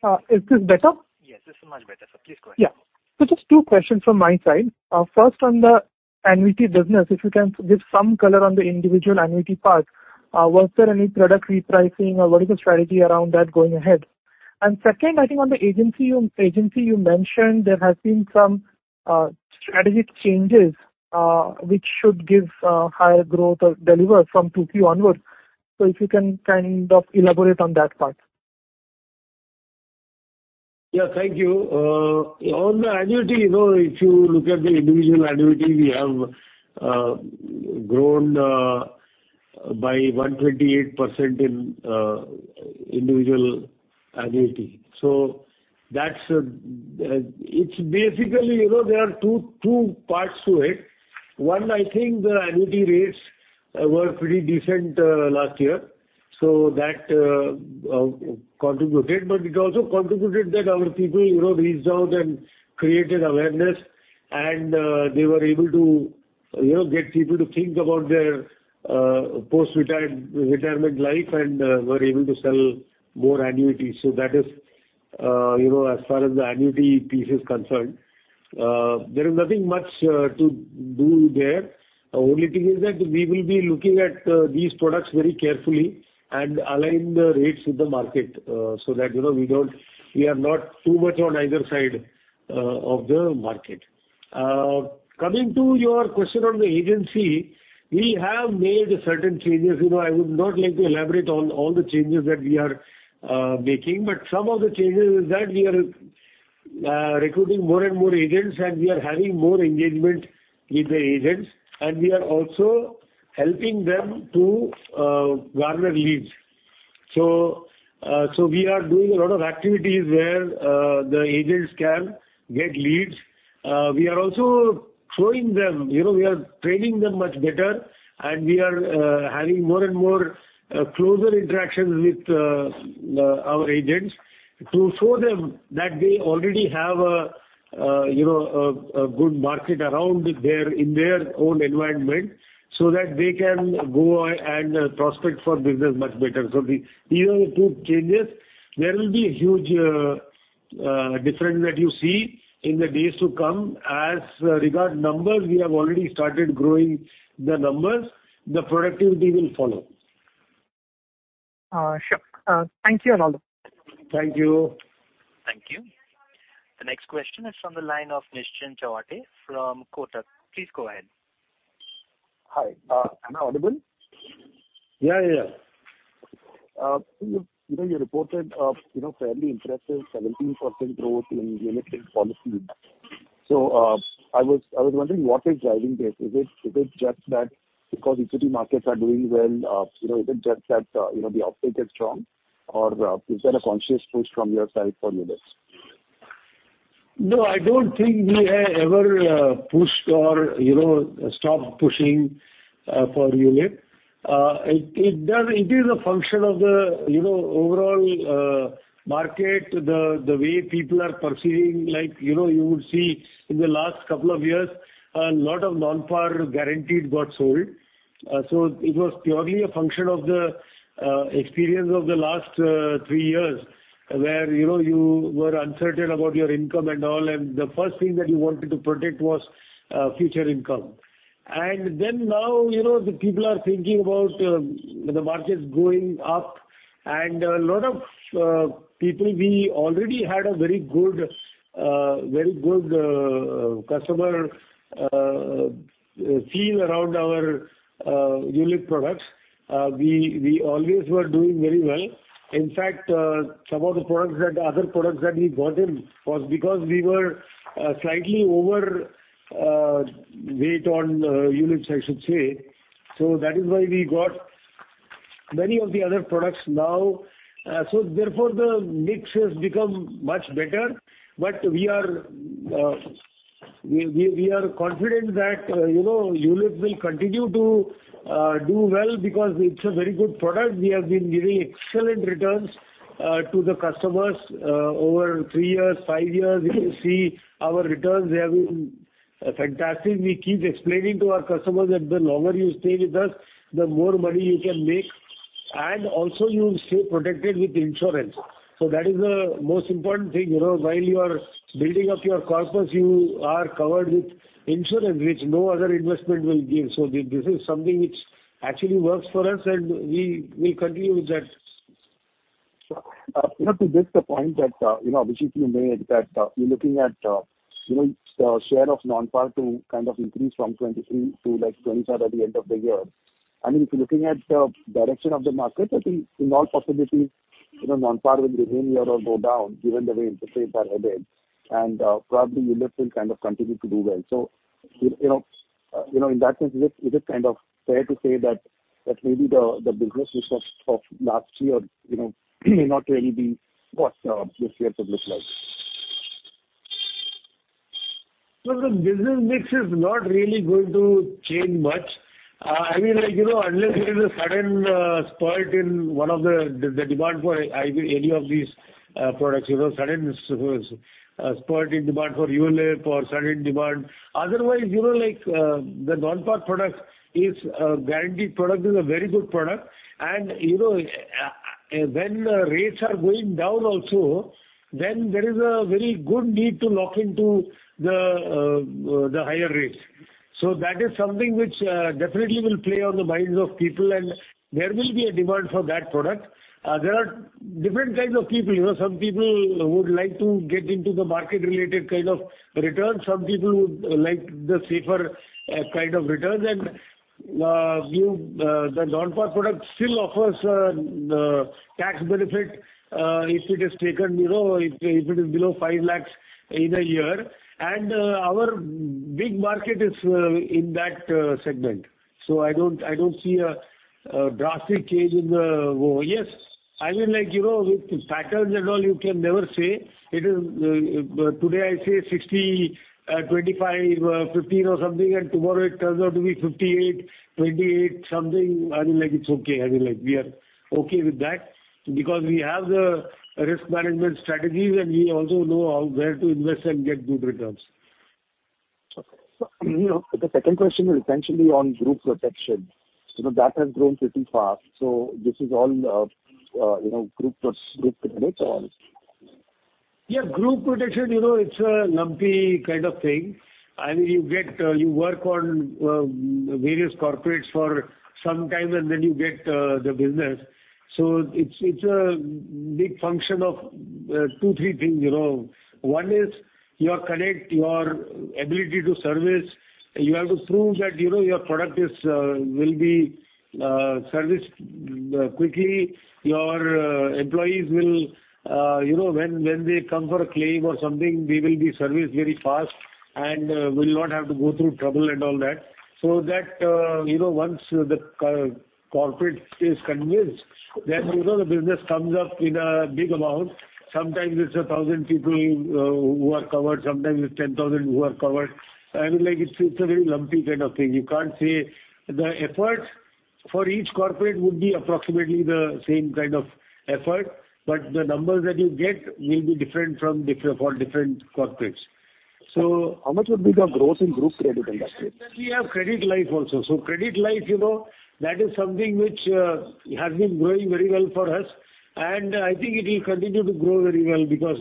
sir. Is this better? Yes, this is much better, sir. Please go ahead. Yeah. Just 2 questions from my side. First, on the annuity business, if you can give some color on the individual annuity part, was there any product repricing, or what is the strategy around that going ahead? Second, I think on the agency you mentioned, there has been some strategic changes, which should give higher growth or deliver from 2Q onwards. Yeah, thank you. On the annuity, you know, if you look at the individual annuity, we have grown by 128% in individual annuity. That's basically, you know, there are two parts to it. One, I think the annuity rates were pretty decent last year, that contributed. It also contributed that our people, you know, reached out and created awareness, and they were able to, you know, get people to think about their retirement life and were able to sell more annuities. That is, you know, as far as the annuity piece is concerned. There is nothing much to do there. Only thing is that we will be looking at these products very carefully and align the rates with the market so that, you know, we are not too much on either side of the market. Coming to your question on the agency, we have made certain changes. You know, I would not like to elaborate on all the changes that we are making, but some of the changes is that we are recruiting more and more agents, and we are having more engagement with the agents, and we are also helping them to garner leads. We are doing a lot of activities where the agents can get leads. We are also showing them, you know, we are training them much better, and we are having more and more closer interactions with our agents to show them that they already have a, you know, a good market around their, in their own environment, so that they can go and prospect for business much better. These are the two changes. There will be a huge difference that you see in the days to come. As regard numbers, we have already started growing the numbers. The productivity will follow. Sure. Thank you, and all the best. Thank you. Thank you. The next question is from the line of Nischint Chawathe from Kotak. Please go ahead. Hi, am I audible? Yeah, yeah. You know, you reported, you know, fairly impressive 17% growth in unit policies. I was wondering, what is driving this? Is it just that because equity markets are doing well, you know, is it just that, you know, the uptake is strong, or, is there a conscious push from your side for units? No, I don't think we have ever pushed or, you know, stopped pushing for unit. It is a function of the, you know, overall market, the way people are perceiving. Like, you know, you would see in the last couple of years, a lot of non-par guarantees got sold. It was purely a function of the experience of the last 3 years, where, you know, you were uncertain about your income and all, and the first thing that you wanted to protect was future income. Now, you know, the people are thinking about the markets going up, and a lot of people, we already had a very good, very good customer feel around our unit products. We always were doing very well. In fact, some of the other products that we got in was because we were slightly over weight on units, I should say. That is why we got many of the other products now. Therefore, the mix has become much better, but we are confident that, you know, ULIP will continue to do well because it's a very good product. We have been giving excellent returns to the customers over 3 years, 5 years. If you see our returns, they have been fantastic. We keep explaining to our customers that the longer you stay with us, the more money you can make, and also you stay protected with insurance. That is the most important thing. You know, while you are building up your corpus, you are covered with insurance, which no other investment will give. This is something which actually works for us, and we continue with that. you know, to get the point that, you know, [Abhishek], you made, that you're looking at, you know, the share of non-par to kind of increase from 23 to, like, 25 at the end of the year. I mean, if you're looking at the direction of the market, I think in all possibilities, you know, non-par will remain or go down, given the way interest rates are headed, and probably ULIP will kind of continue to do well. you know, you know, in that sense, is it, is it kind of fair to say that maybe the businesses of last year, you know, may not really be what this year could look like? The business mix is not really going to change much. I mean, like, you know, unless there is a sudden spike in one of the demand for any of these products, you know, sudden spike in demand for ULIP or sudden demand. Otherwise, you know, like, the non-par product is a guaranteed product, is a very good product, and, you know, when the rates are going down also, then there is a very good need to lock into the higher rates. That is something which definitely will play on the minds of people, and there will be a demand for that product. There are different kinds of people. Some people would like to get into the market-related kind of returns, some people would like the safer kind of returns, the non-par product still offers the tax benefit if it is taken, you know, if it is below 5 lakhs in a year, our big market is in that segment. I don't see a drastic change in the. Yes, I mean, like, you know, with factors and all, you can never say. It is today I say 60, 25, 15 or something, tomorrow it turns out to be 58, 28 something. I mean, like, it's okay. I mean, like, we are okay with that because we have the risk management strategies, we also know how where to invest and get good returns. Okay. You know, the second question is essentially on group protection. You know, that has grown pretty fast, this is all, you know, group protection products or? Yeah, group protection, you know, it's a lumpy kind of thing. I mean, you get, you work on various corporates for some time, and then you get the business. It's a big function of two, three things, you know. One is your connect, your ability to service. You have to prove that, you know, your product is will be serviced quickly. Your employees will, you know, when they come for a claim or something, they will be serviced very fast and will not have to go through trouble and all that. That, you know, once the corporate is convinced, then, you know, the business comes up in a big amount. Sometimes it's a 1,000 people who are covered, sometimes it's 10,000 who are covered. I mean, like, it's a very lumpy kind of thing. You can't say. The effort for each corporate would be approximately the same kind of effort, but the numbers that you get will be different for different corporates. How much would be the growth in credit life in that case? We have credit life also. Credit life, you know, that is something which has been growing very well for us, and I think it will continue to grow very well because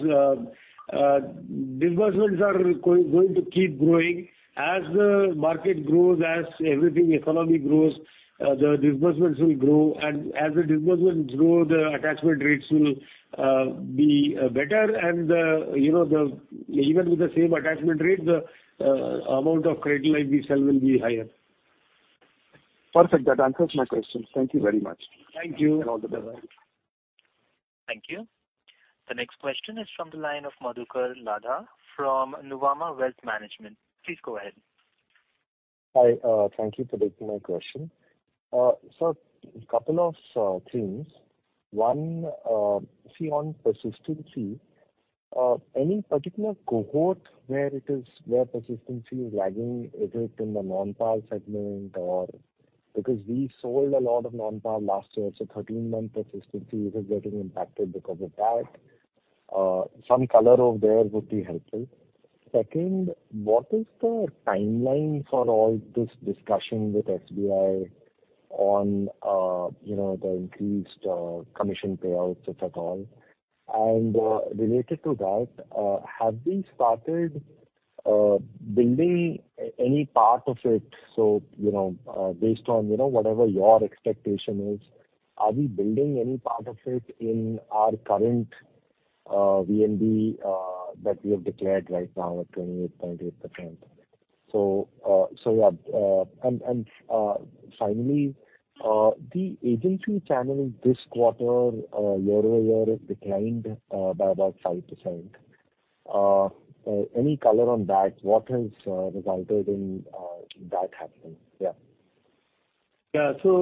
disbursements are going to keep growing. As the market grows, as everything, economy grows, the disbursements will grow, and as the disbursements grow, the attachment rates will be better and, you know, even with the same attachment rate, the amount of credit life we sell will be higher. Perfect. That answers my question. Thank you very much. Thank you. All the best. Thank you. The next question is from the line of Madhukar Ladha from Nuvama Wealth Management. Please go ahead. Hi, thank you for taking my question. Couple of things. One, on persistency, any particular cohort where persistency is lagging, is it in the non-par segment or? Because we sold a lot of non-par last year, 13-month persistency is getting impacted because of that. Some color over there would be helpful. Second, what is the timeline for all this discussion with SBI on, you know, the increased commission payouts, et cetera? Related to that, have we started building any part of it? You know, based on, you know, whatever your expectation is, are we building any part of it in our current VNB that we have declared right now at 28.8%? Yeah. Finally, the agency channel this quarter, year-over-year, has declined by about 5%. Any color on that? What has resulted in that happening? Yeah. Persistency,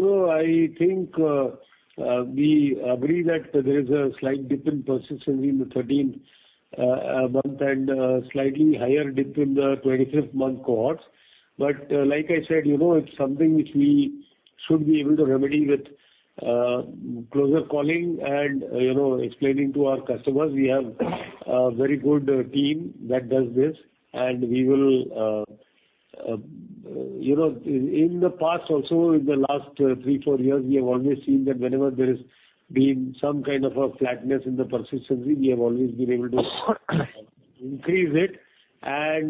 though, I think, we agree that there is a slight dip in persistency in the 13 month and slightly higher dip in the 25th month cohorts. Like I said, you know, it's something which we should be able to remedy with closer calling and, you know, explaining to our customers. We have a very good team that does this, and we will, you know, in the past also, in the last 3, 4 years, we have always seen that whenever there has been some kind of a flatness in the persistency, we have always been able to increase it. Right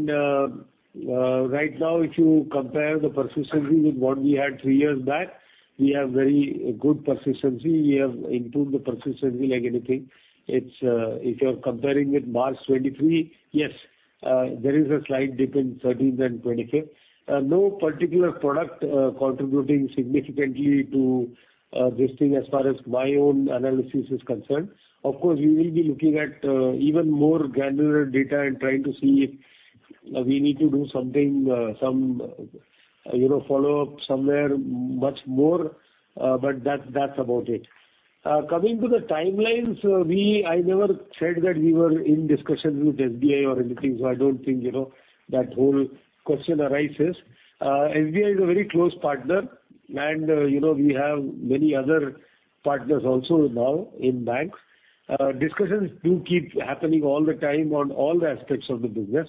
now, if you compare the persistency with what we had 3 years back, we have very good persistency. We have improved the persistency like anything. It's if you're comparing with March 2023, yes, there is a slight dip in 13 than 25th. No particular product contributing significantly to this thing as far as my own analysis is concerned. Of course, we will be looking at even more granular data and trying to see if we need to do something, some, you know, follow up somewhere much more, but that's about it. Coming to the timelines, I never said that we were in discussions with SBI or anything, so I don't think, you know, that whole question arises. SBI is a very close partner, and, you know, we have many other partners also now in banks. Discussions do keep happening all the time on all the aspects of the business,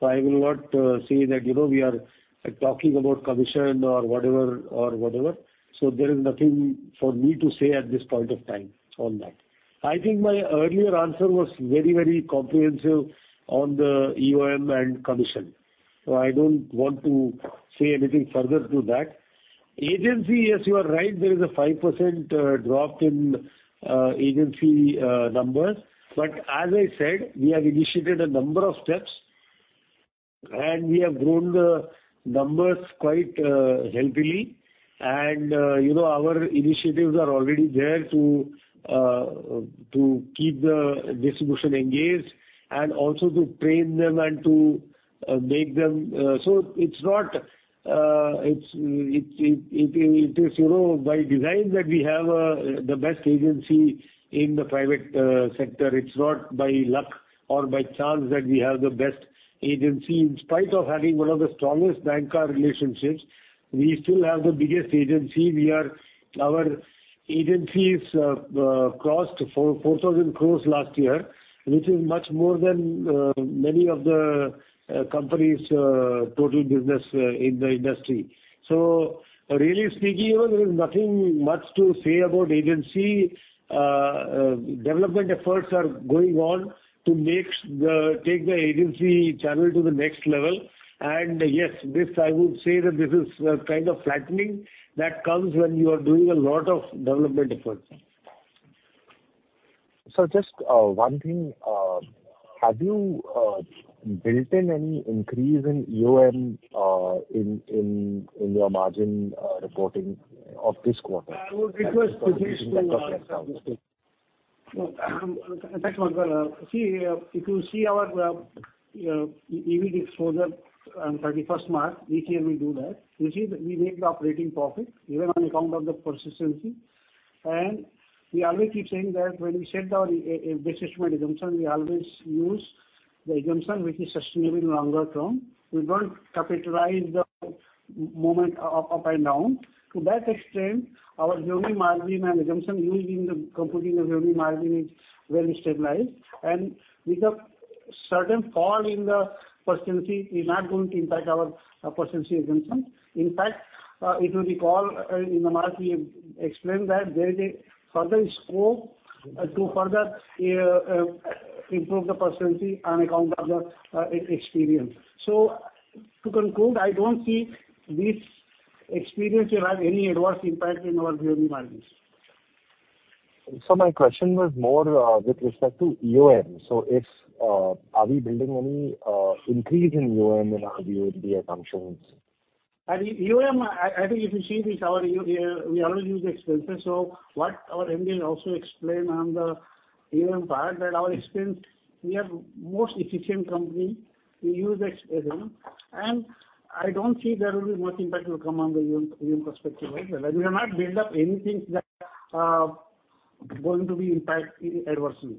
so I will not say that, you know, we are talking about commission or whatever, or whatever. There is nothing for me to say at this point of time on that. I think my earlier answer was very, very comprehensive on the EOM and commission, so I don't want to say anything further to that. Agency, yes, you are right, there is a 5% drop in agency numbers. As I said, we have initiated a number of steps, and we have grown the numbers quite healthily. You know, our initiatives are already there to keep the distribution engaged and also to train them and to make them... It is, you know, by design that we have the best agency in the private sector. It's not by luck or by chance that we have the best agency. In spite of having one of the strongest banker relationships, we still have the biggest agency. Our agencies cost 4,000 crore last year, which is much more than many of the company's total business in the industry. Really speaking, there is nothing much to say about agency. Development efforts are going on to take the agency channel to the next level. Yes, this, I would say that this is a kind of flattening that comes when you are doing a lot of development efforts. Just one thing, have you built in any increase in EOM in your margin reporting of this quarter? I would request Rajesh to answer. Thanks, Madhukar. See, if you see our EV exposure on 31st March, each year we do that, you see that we make the operating profit even on account of the persistency. We always keep saying that when we set our e- base estimate assumption, we always use the assumption, which is sustainable longer term. We don't capitalize the moment up and down. To that extent, our yearly margin and assumption used in the computing of yearly margin is very stabilized, and with a certain fall in the persistency, is not going to impact our persistency assumption. In fact, if you recall, in the market, we explained that there is a further scope to further improve the persistency on account of the experience. To conclude, I don't see this experience will have any adverse impact in our yearly margins. My question was more with respect to EOM. If are we building any increase in EOM in our view of the assumptions? EOM, I think if you see this, we always use the expenses. What our MD also explained on the EOM part, that our expense, we are most efficient company. We use this, I don't see there will be much impact will come on the EOM perspective as well. We have not built up anything that going to be impact adversely.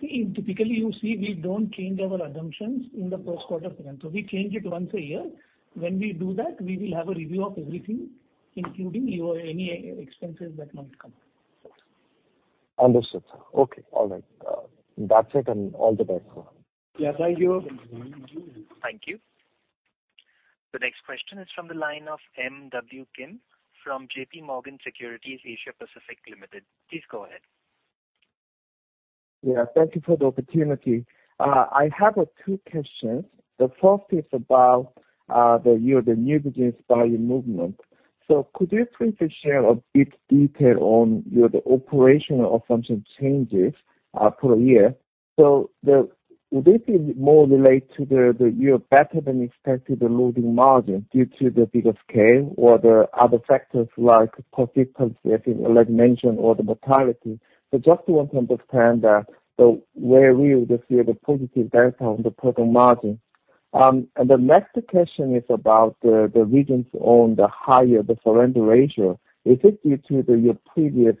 See, typically, you see, we don't change our assumptions in Q1. We change it once a year. When we do that, we will have a review of everything, including your any expenses that might come. Understood, sir. Okay, all right. That's it, all the best, sir. Yeah, thank you. Thank you. The next question is from the line of MW Kim from JPMorgan Securities (Asia Pacific) Limited. Please go ahead. Yeah, thank you for the opportunity. I have two questions. The first is about the new business value movement. Could you please share a bit detail on the operational assumption changes for a year? Well, this is more related to the year better than expected loading margin due to the bigger scale or the other factors like proficiency, as you mentioned, or the mortality. Just want to understand that where we would see the positive delta on the total margin. The next question is about the regions on the higher surrender ratio. Is it due to your previous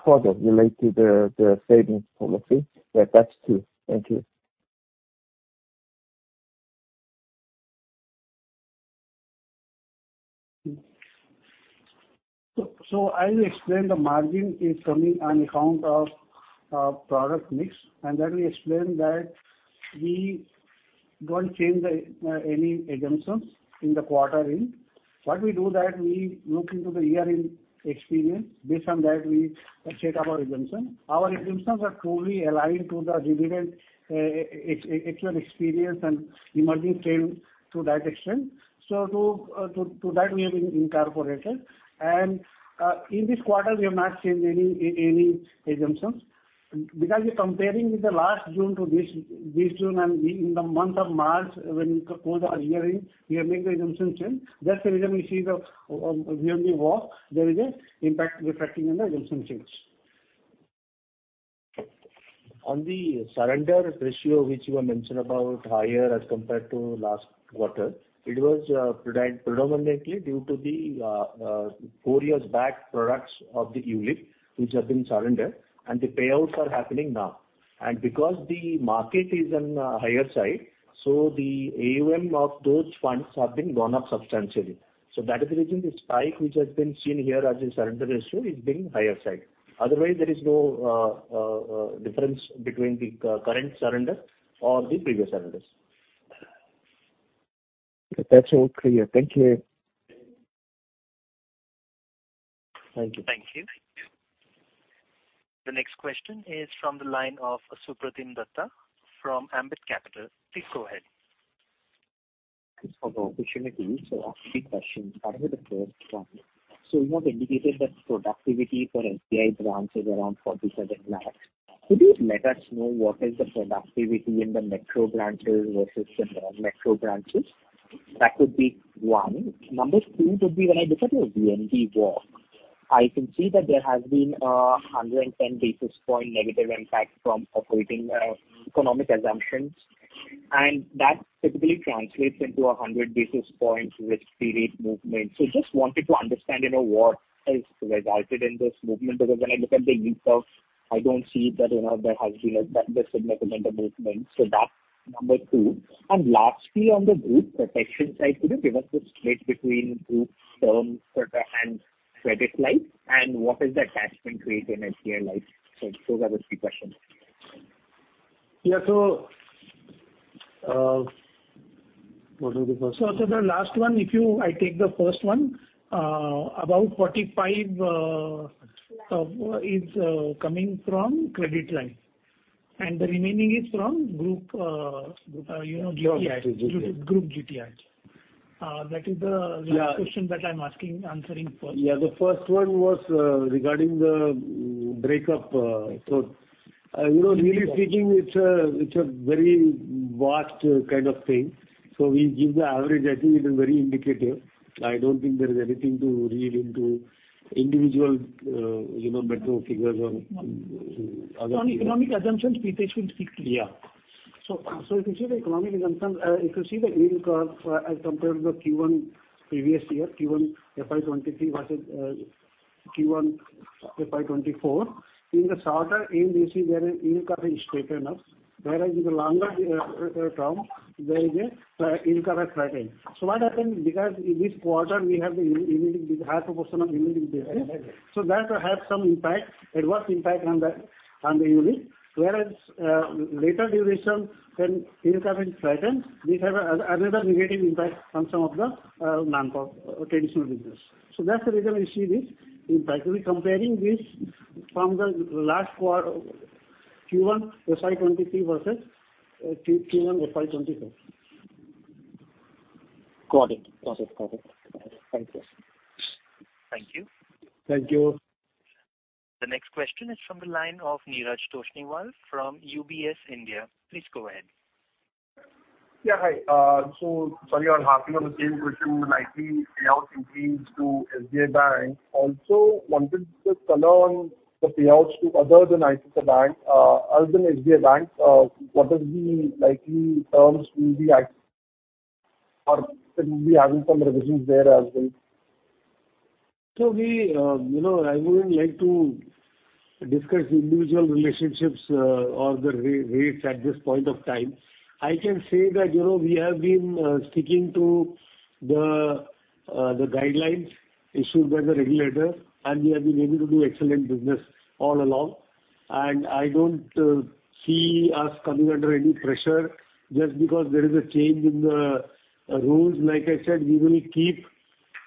product related the savings policy? That's two. Thank you. I will explain. The margin is coming on account of product mix, and that will explain that we don't change the any assumptions in the quarter end. What we do that we look into the year end experience. Based on that, we set up our assumption. Our assumptions are truly aligned to the dividend, excellent experience and emerging trend to that extent. To that we have been incorporated. In this quarter we have not changed any assumptions. You're comparing with the last June to this June, and in the month of March, when you close the year end, we have made the assumption change. That's the reason we see the year end walk, there is a impact reflecting in the assumption change. On the surrender ratio, which you were mentioned about higher as compared to last quarter, it was predominantly due to the four years back products of the ULIP, which have been surrendered, and the payouts are happening now. Because the market is on higher side, so the AUM of those funds have been gone up substantially. That is the reason the spike which has been seen here as a surrender ratio is being higher side. Otherwise, there is no difference between the current surrender or the previous surrenders. That's all clear. Thank you. Thank you. Thank you. The next question is from the line of Supratim Dutta from Ambit Capital. Please go ahead. Thanks for the opportunity. Three questions. Starting with the first one. You have indicated that productivity for SBI branches around 47 lakhs. Could you let us know what is the productivity in the metro branches versus the non-metro branches? That would be one. Number 2 would be, when I look at your VNB work, I can see that there has been a 110 basis point negative impact from operating economic assumptions, and that typically translates into a 100 basis points with period movement. Just wanted to understand, you know, what has resulted in this movement? Because when I look at the yield curve, I don't see that, you know, there has been the significant movement. That's number 2. lastly, on the group protection side, could you give us the split between group term and credit life, and what is the attachment rate in SBI Life? Those are the three questions. Yeah. What was the first one? The last one, I take the first one, about 45 is coming from credit life, and the remaining is from group, you know, GTIs. Group GTIs. Yeah. last question that I'm asking, answering first. The first one was regarding the breakup. You know, really speaking, it's a very vast kind of thing. We give the average, I think it is very indicative. I don't think there is anything to read into individual, you know, metro figures. On economic assumptions, Rajesh will speak to you. Yeah. If you see the economic assumptions, if you see the yield curve, as compared to the Q1 previous year, Q1 FY 2023 versus Q1 FY 2024, in the shorter end, you see there an yield curve is straightened up, whereas in the longer term, there is a yield curve is flattened. What happened? Because in this quarter we have the yield, the high proportion of yield, right? That will have some impact, adverse impact on the, on the yield. Whereas, later duration, when yield curve is flattened, we have another negative impact on some of the non-core traditional business. That's the reason we see this impact. We'll be comparing this from the last quarter, Q1 FY 2023 versus Q1 FY 2024. Got it. Got it. Got it. Thank you. Thank you. Thank you. The next question is from the line of Neeraj Toshniwal from UBS India. Please go ahead. Yeah. Hi, sorry I'm asking on the same question, likely payouts increase to SBI Bank. Also wanted to just follow on the payouts to other than ICICI Bank, other than SBI Bank, what is the likely terms will be at, or should we be having some revisions there as well? We, you know, I wouldn't like to discuss individual relationships or the rates at this point of time. I can say that, you know, we have been sticking to the guidelines issued by the regulator, we have been able to do excellent business all along. I don't see us coming under any pressure just because there is a change in the rules. Like I said, we will keep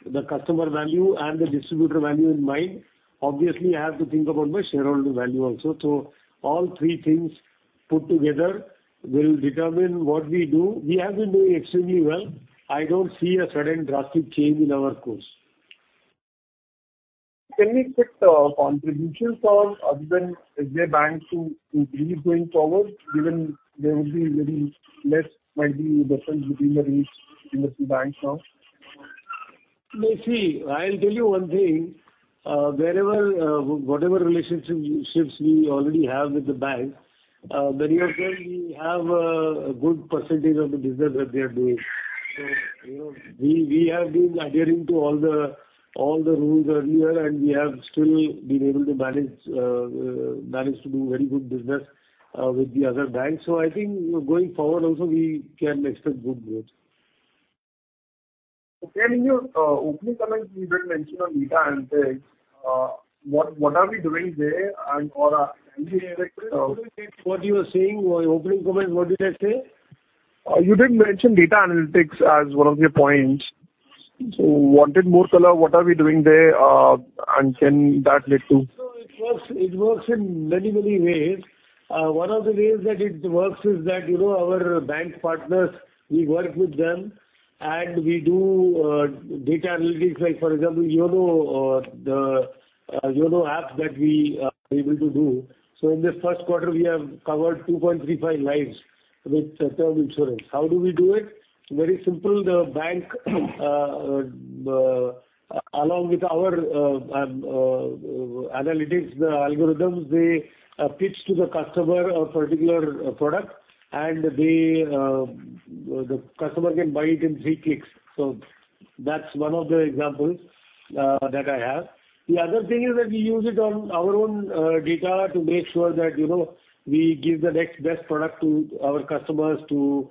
the customer value and the distributor value in mind. Obviously, I have to think about my shareholder value also. All three things put together will determine what we do. We have been doing extremely well. I don't see a sudden drastic change in our course. Can we expect contributions from other than SBI Bank to keep going forward, given there will be very less might be difference between the rates in the two banks now? See, I'll tell you one thing, wherever, whatever relationships we already have with the banks, many of them we have a good percentage of the business that they are doing. You know, we have been adhering to all the rules earlier, and we have still been able to manage to do very good business with the other banks. I think going forward also, we can expect good growth. Okay, in your opening comments, you did mention on data analytics. What are we doing there? Can you elaborate? What you were saying or your opening comments, what did I say? You did mention data analytics as one of your points. Wanted more color, what are we doing there, and can that lead to- It works, it works in many, many ways. One of the ways that it works is that, you know, our bank partners, we work with them, and we do data analytics, like, for example, you know, the, you know, app that we are able to do. In this first quarter, we have covered 2.35 lives with term insurance. How do we do it? Very simple. The bank, along with our analytics, the algorithms, they pitch to the customer a particular product, and the customer can buy it in three clicks. That's one of the examples that I have. The other thing is that we use it on our own data to make sure that, you know, we give the next best product to our customers to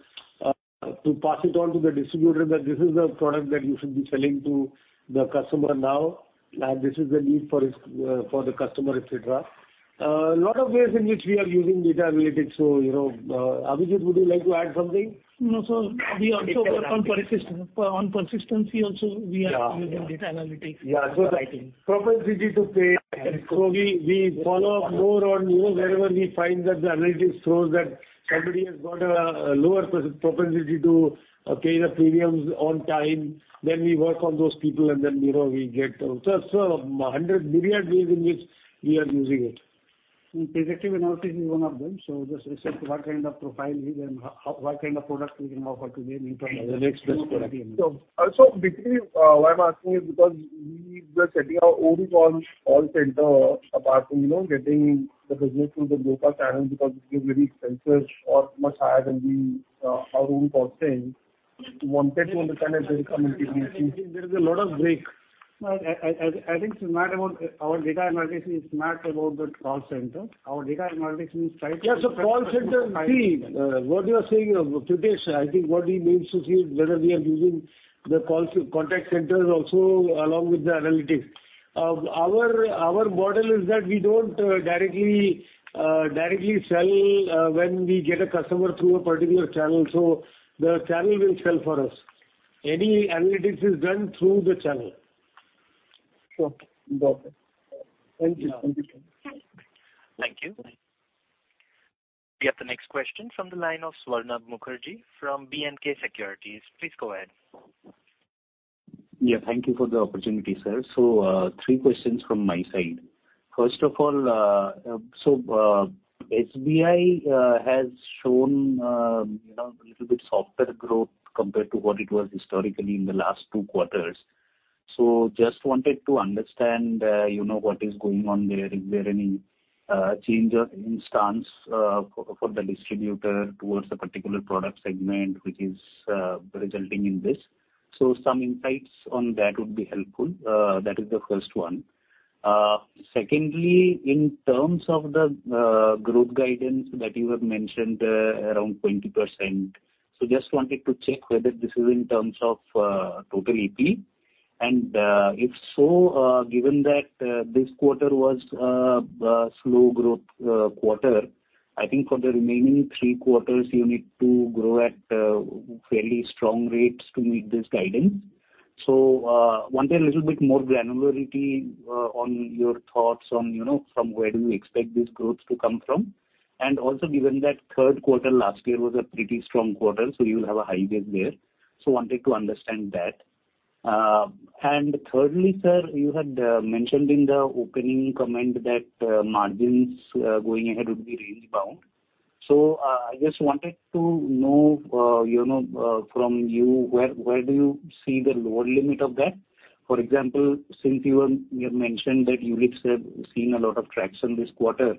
pass it on to the distributor, that this is the product that you should be selling to the customer now, and this is the need for this for the customer, et cetera. A lot of ways in which we are using data analytics, so, you know, Abhijit, would you like to add something? No, sir. We also work on persistency also, we are using data analytics. The propensity to pay. We follow up more on, you know, wherever we find that the analytics shows that somebody has got a lower propensity to pay the premiums on time, then we work on those people, and then, you know, we get. 100 myriad ways in which we are using it. predictive analytics is one of them, so just as to what kind of profile he is and what kind of product we can offer to them. The next best product. Basically, why I'm asking is because we were setting our own call center, apart from, you know, getting the business through the broker channel, because it is very expensive or much higher than the our own costing. Wanted to understand if there is a possibility. There is a lot of break. Our data analytics is smart about the call center. Our data analytics is trying to. Yeah, so call center, see, what you are saying, Prithesh, I think what he means to say is whether we are using the contact center also along with the analytics. Our model is that we don't directly directly sell when we get a customer through a particular channel, so the channel will sell for us. Any analytics is done through the channel. Sure. Got it. Thank you. Thank you. We have the next question from the line of Swarnabha Mukherjee from B&K Securities. Please go ahead. Yeah, thank you for the opportunity, sir. Three questions from my side. First of all, SBI has shown, you know, a little bit softer growth compared to what it was historically in the last two quarters. Just wanted to understand, you know, what is going on there. Is there any change of instance for the distributor towards a particular product segment which is resulting in this? Some insights on that would be helpful. That is the first one. Secondly, in terms of the growth guidance that you have mentioned, around 20%, just wanted to check whether this is in terms of total EP. If so, given that this quarter was a slow growth quarter, I think for the remaining three quarters, you need to grow at fairly strong rates to meet this guidance. Wanted a little bit more granularity on your thoughts on, you know, from where do you expect this growth to come from. Also, given that third quarter last year was a pretty strong quarter, so you will have a high base there. Wanted to understand that. Thirdly, sir, you had mentioned in the opening comment that margins going ahead would be range bound. I just wanted to know, you know, from you, where do you see the lower limit of that? For example, since you have mentioned that ULIPs have seen a lot of traction this quarter,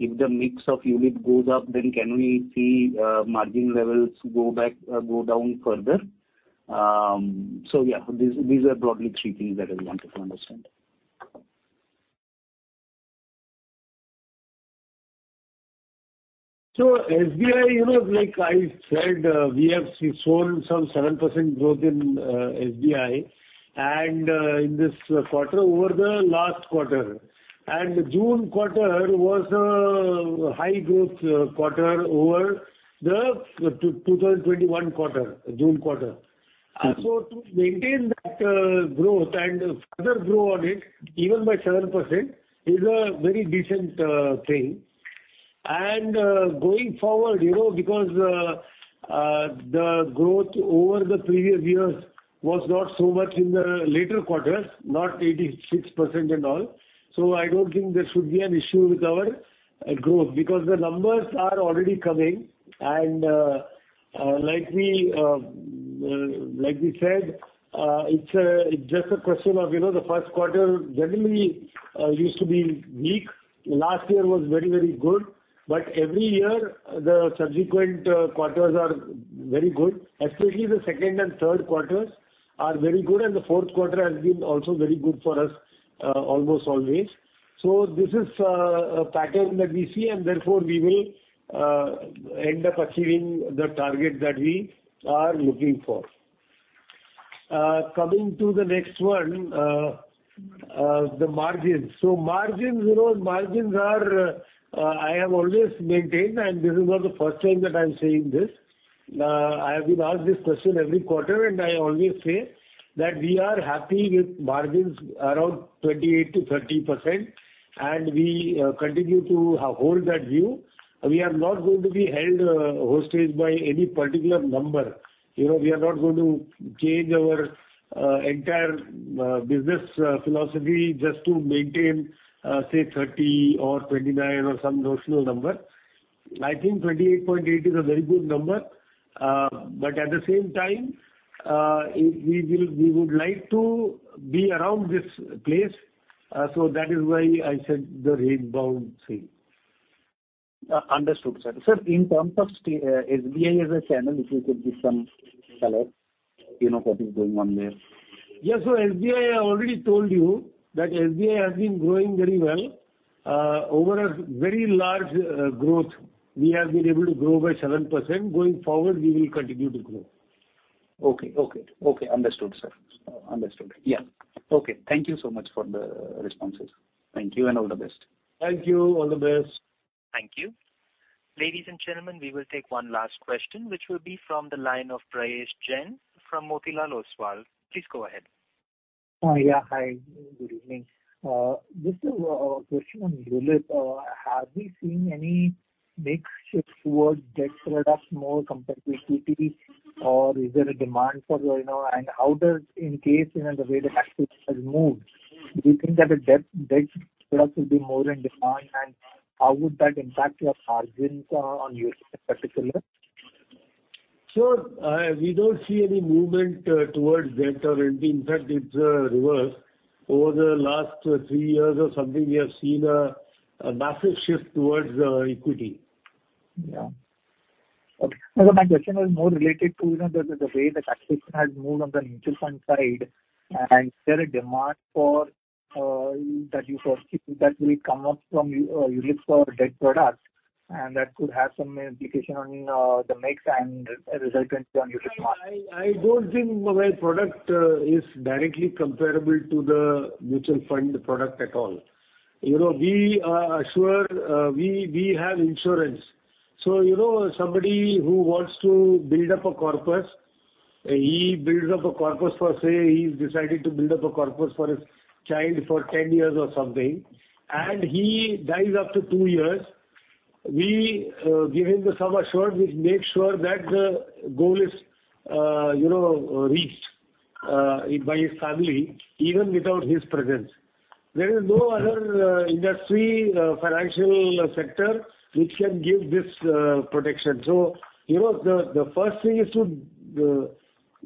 if the mix of ULIP goes up, then can we see, margin levels go back, go down further? Yeah, these are broadly three things that I wanted to understand. SBI, you know, like I said, we have shown some 7% growth in SBI, and in this quarter over the last quarter. June quarter was a high growth quarter over the 2021 quarter, June quarter. To maintain that growth and further grow on it, even by 7%, is a very decent thing. Going forward, you know, because the growth over the previous years was not so much in the later quarters, not 86% and all. I don't think there should be an issue with our growth, because the numbers are already coming. Like we, like we said, it's just a question of, you know, the first quarter generally used to be weak. Last year was very, very good. Every year, the subsequent quarters are very good. Especially the second and third quarters are very good, and the fourth quarter has been also very good for us almost always. This is a pattern that we see, and therefore we will end up achieving the target that we are looking for. Coming to the next one, the margins. Margins, you know, margins are, I have always maintained, and this is not the first time that I'm saying this. I have been asked this question every quarter, and I always say that we are happy with margins around 28%-30%, and we continue to hold that view. We are not going to be held hostage by any particular number. You know, we are not going to change our entire business philosophy just to maintain, say, 30 or 29 or some notional number. I think 28.8 is a very good number. At the same time, we would like to be around this place. That is why I said the rate bound thing. understood, sir. Sir, in terms of SBI as a channel, if you could give some color, you know, what is going on there? Yes, SBI, I already told you that SBI has been growing very well. Over a very large growth, we have been able to grow by 7%. Going forward, we will continue to grow. Okay, okay. Okay, understood, sir. Understood. Yeah. Okay, thank you so much for the responses. Thank you and all the best. Thank you. All the best. Thank you. Ladies and gentlemen, we will take one last question, which will be from the line of Prayesh Jain from Motilal Oswal. Please go ahead. Yeah, hi, good evening. Just a question on ULIP. Have we seen any mix shift towards debt products more compared to equity, or is there a demand for, you know? How does, in case, you know, the way the tax has moved, do you think that the debt products will be more in demand, and how would that impact your margins on ULIP in particular? We don't see any movement towards debt or indeed, in fact, it's reverse. Over the last three years or something, we have seen a massive shift towards equity. Yeah. Okay. My question was more related to, you know, the way the tax has moved on the mutual fund side, and is there a demand for that you foresee that will come up from ULIP for debt products, and that could have some implication on the mix and a resultant on ULIP margin? I don't think my product is directly comparable to the mutual fund product at all. You know, we are assured, we have insurance. You know, somebody who wants to build up a corpus, he builds up a corpus for, say, he's decided to build up a corpus for his child for 10 years or something, and he dies after 2 years. We give him the some assurance, which makes sure that the goal is, you know, reached by his family, even without his presence. There is no other industry, financial sector which can give this protection. You know, the first thing is to,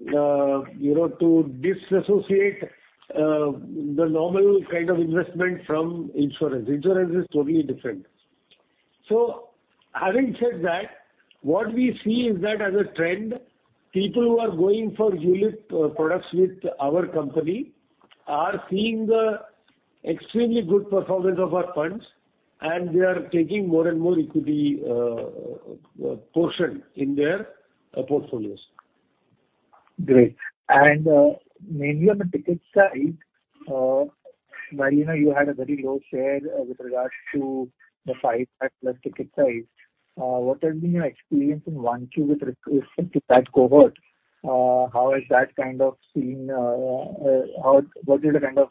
you know, to disassociate the normal kind of investment from insurance. Insurance is totally different. Having said that, what we see is that as a trend, people who are going for ULIP products with our company are seeing the extremely good performance of our funds, and they are taking more and more equity portion in their portfolios. Great. Mainly on the ticket side, while, you know, you had a very low share with regards to the 5 lakh plus ticket size, what has been your experience in 1, 2 with respect to that cohort? How is that kind of seeing, what is the kind of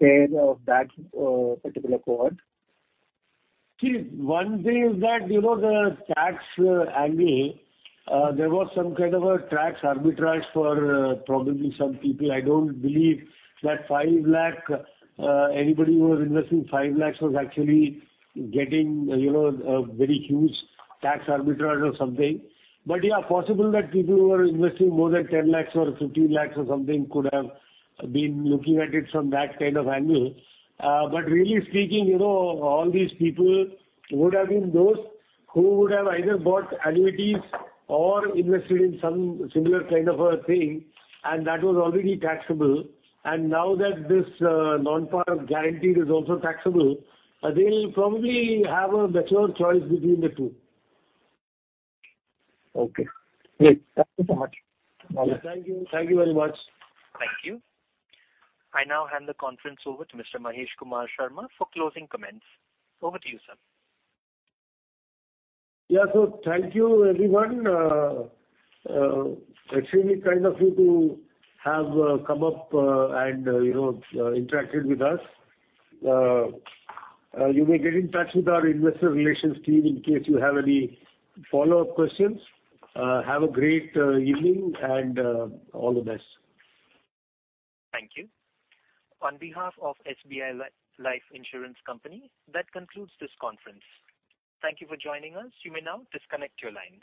share of that particular cohort? See, one thing is that, you know, the tax angle, there was some kind of a tax arbitrage for, probably some people. I don't believe that 5 lakh, anybody who was investing 5 lakh was actually getting, you know, a very huge tax arbitrage or something. Yeah, possible that people who are investing more than 10 lakh or 15 lakh or something could have been looking at it from that kind of angle. Really speaking, you know, all these people would have been those who would have either bought annuities or invested in some similar kind of a thing, and that was already taxable. Now that this non-par guaranteed is also taxable, they'll probably have a better choice between the two. Okay, great. Thank you so much. Thank you. Thank you very much. Thank you. I now hand the conference over to Mr. Mahesh Kumar Sharma for closing comments. Over to you, sir. Thank you, everyone. Extremely kind of you to have come up and, you know, interacted with us. You may get in touch with our investor relations team in case you have any follow-up questions. Have a great evening, and all the best. Thank you. On behalf of SBI Life Insurance Company, that concludes this conference. Thank you for joining us. You may now disconnect your lines.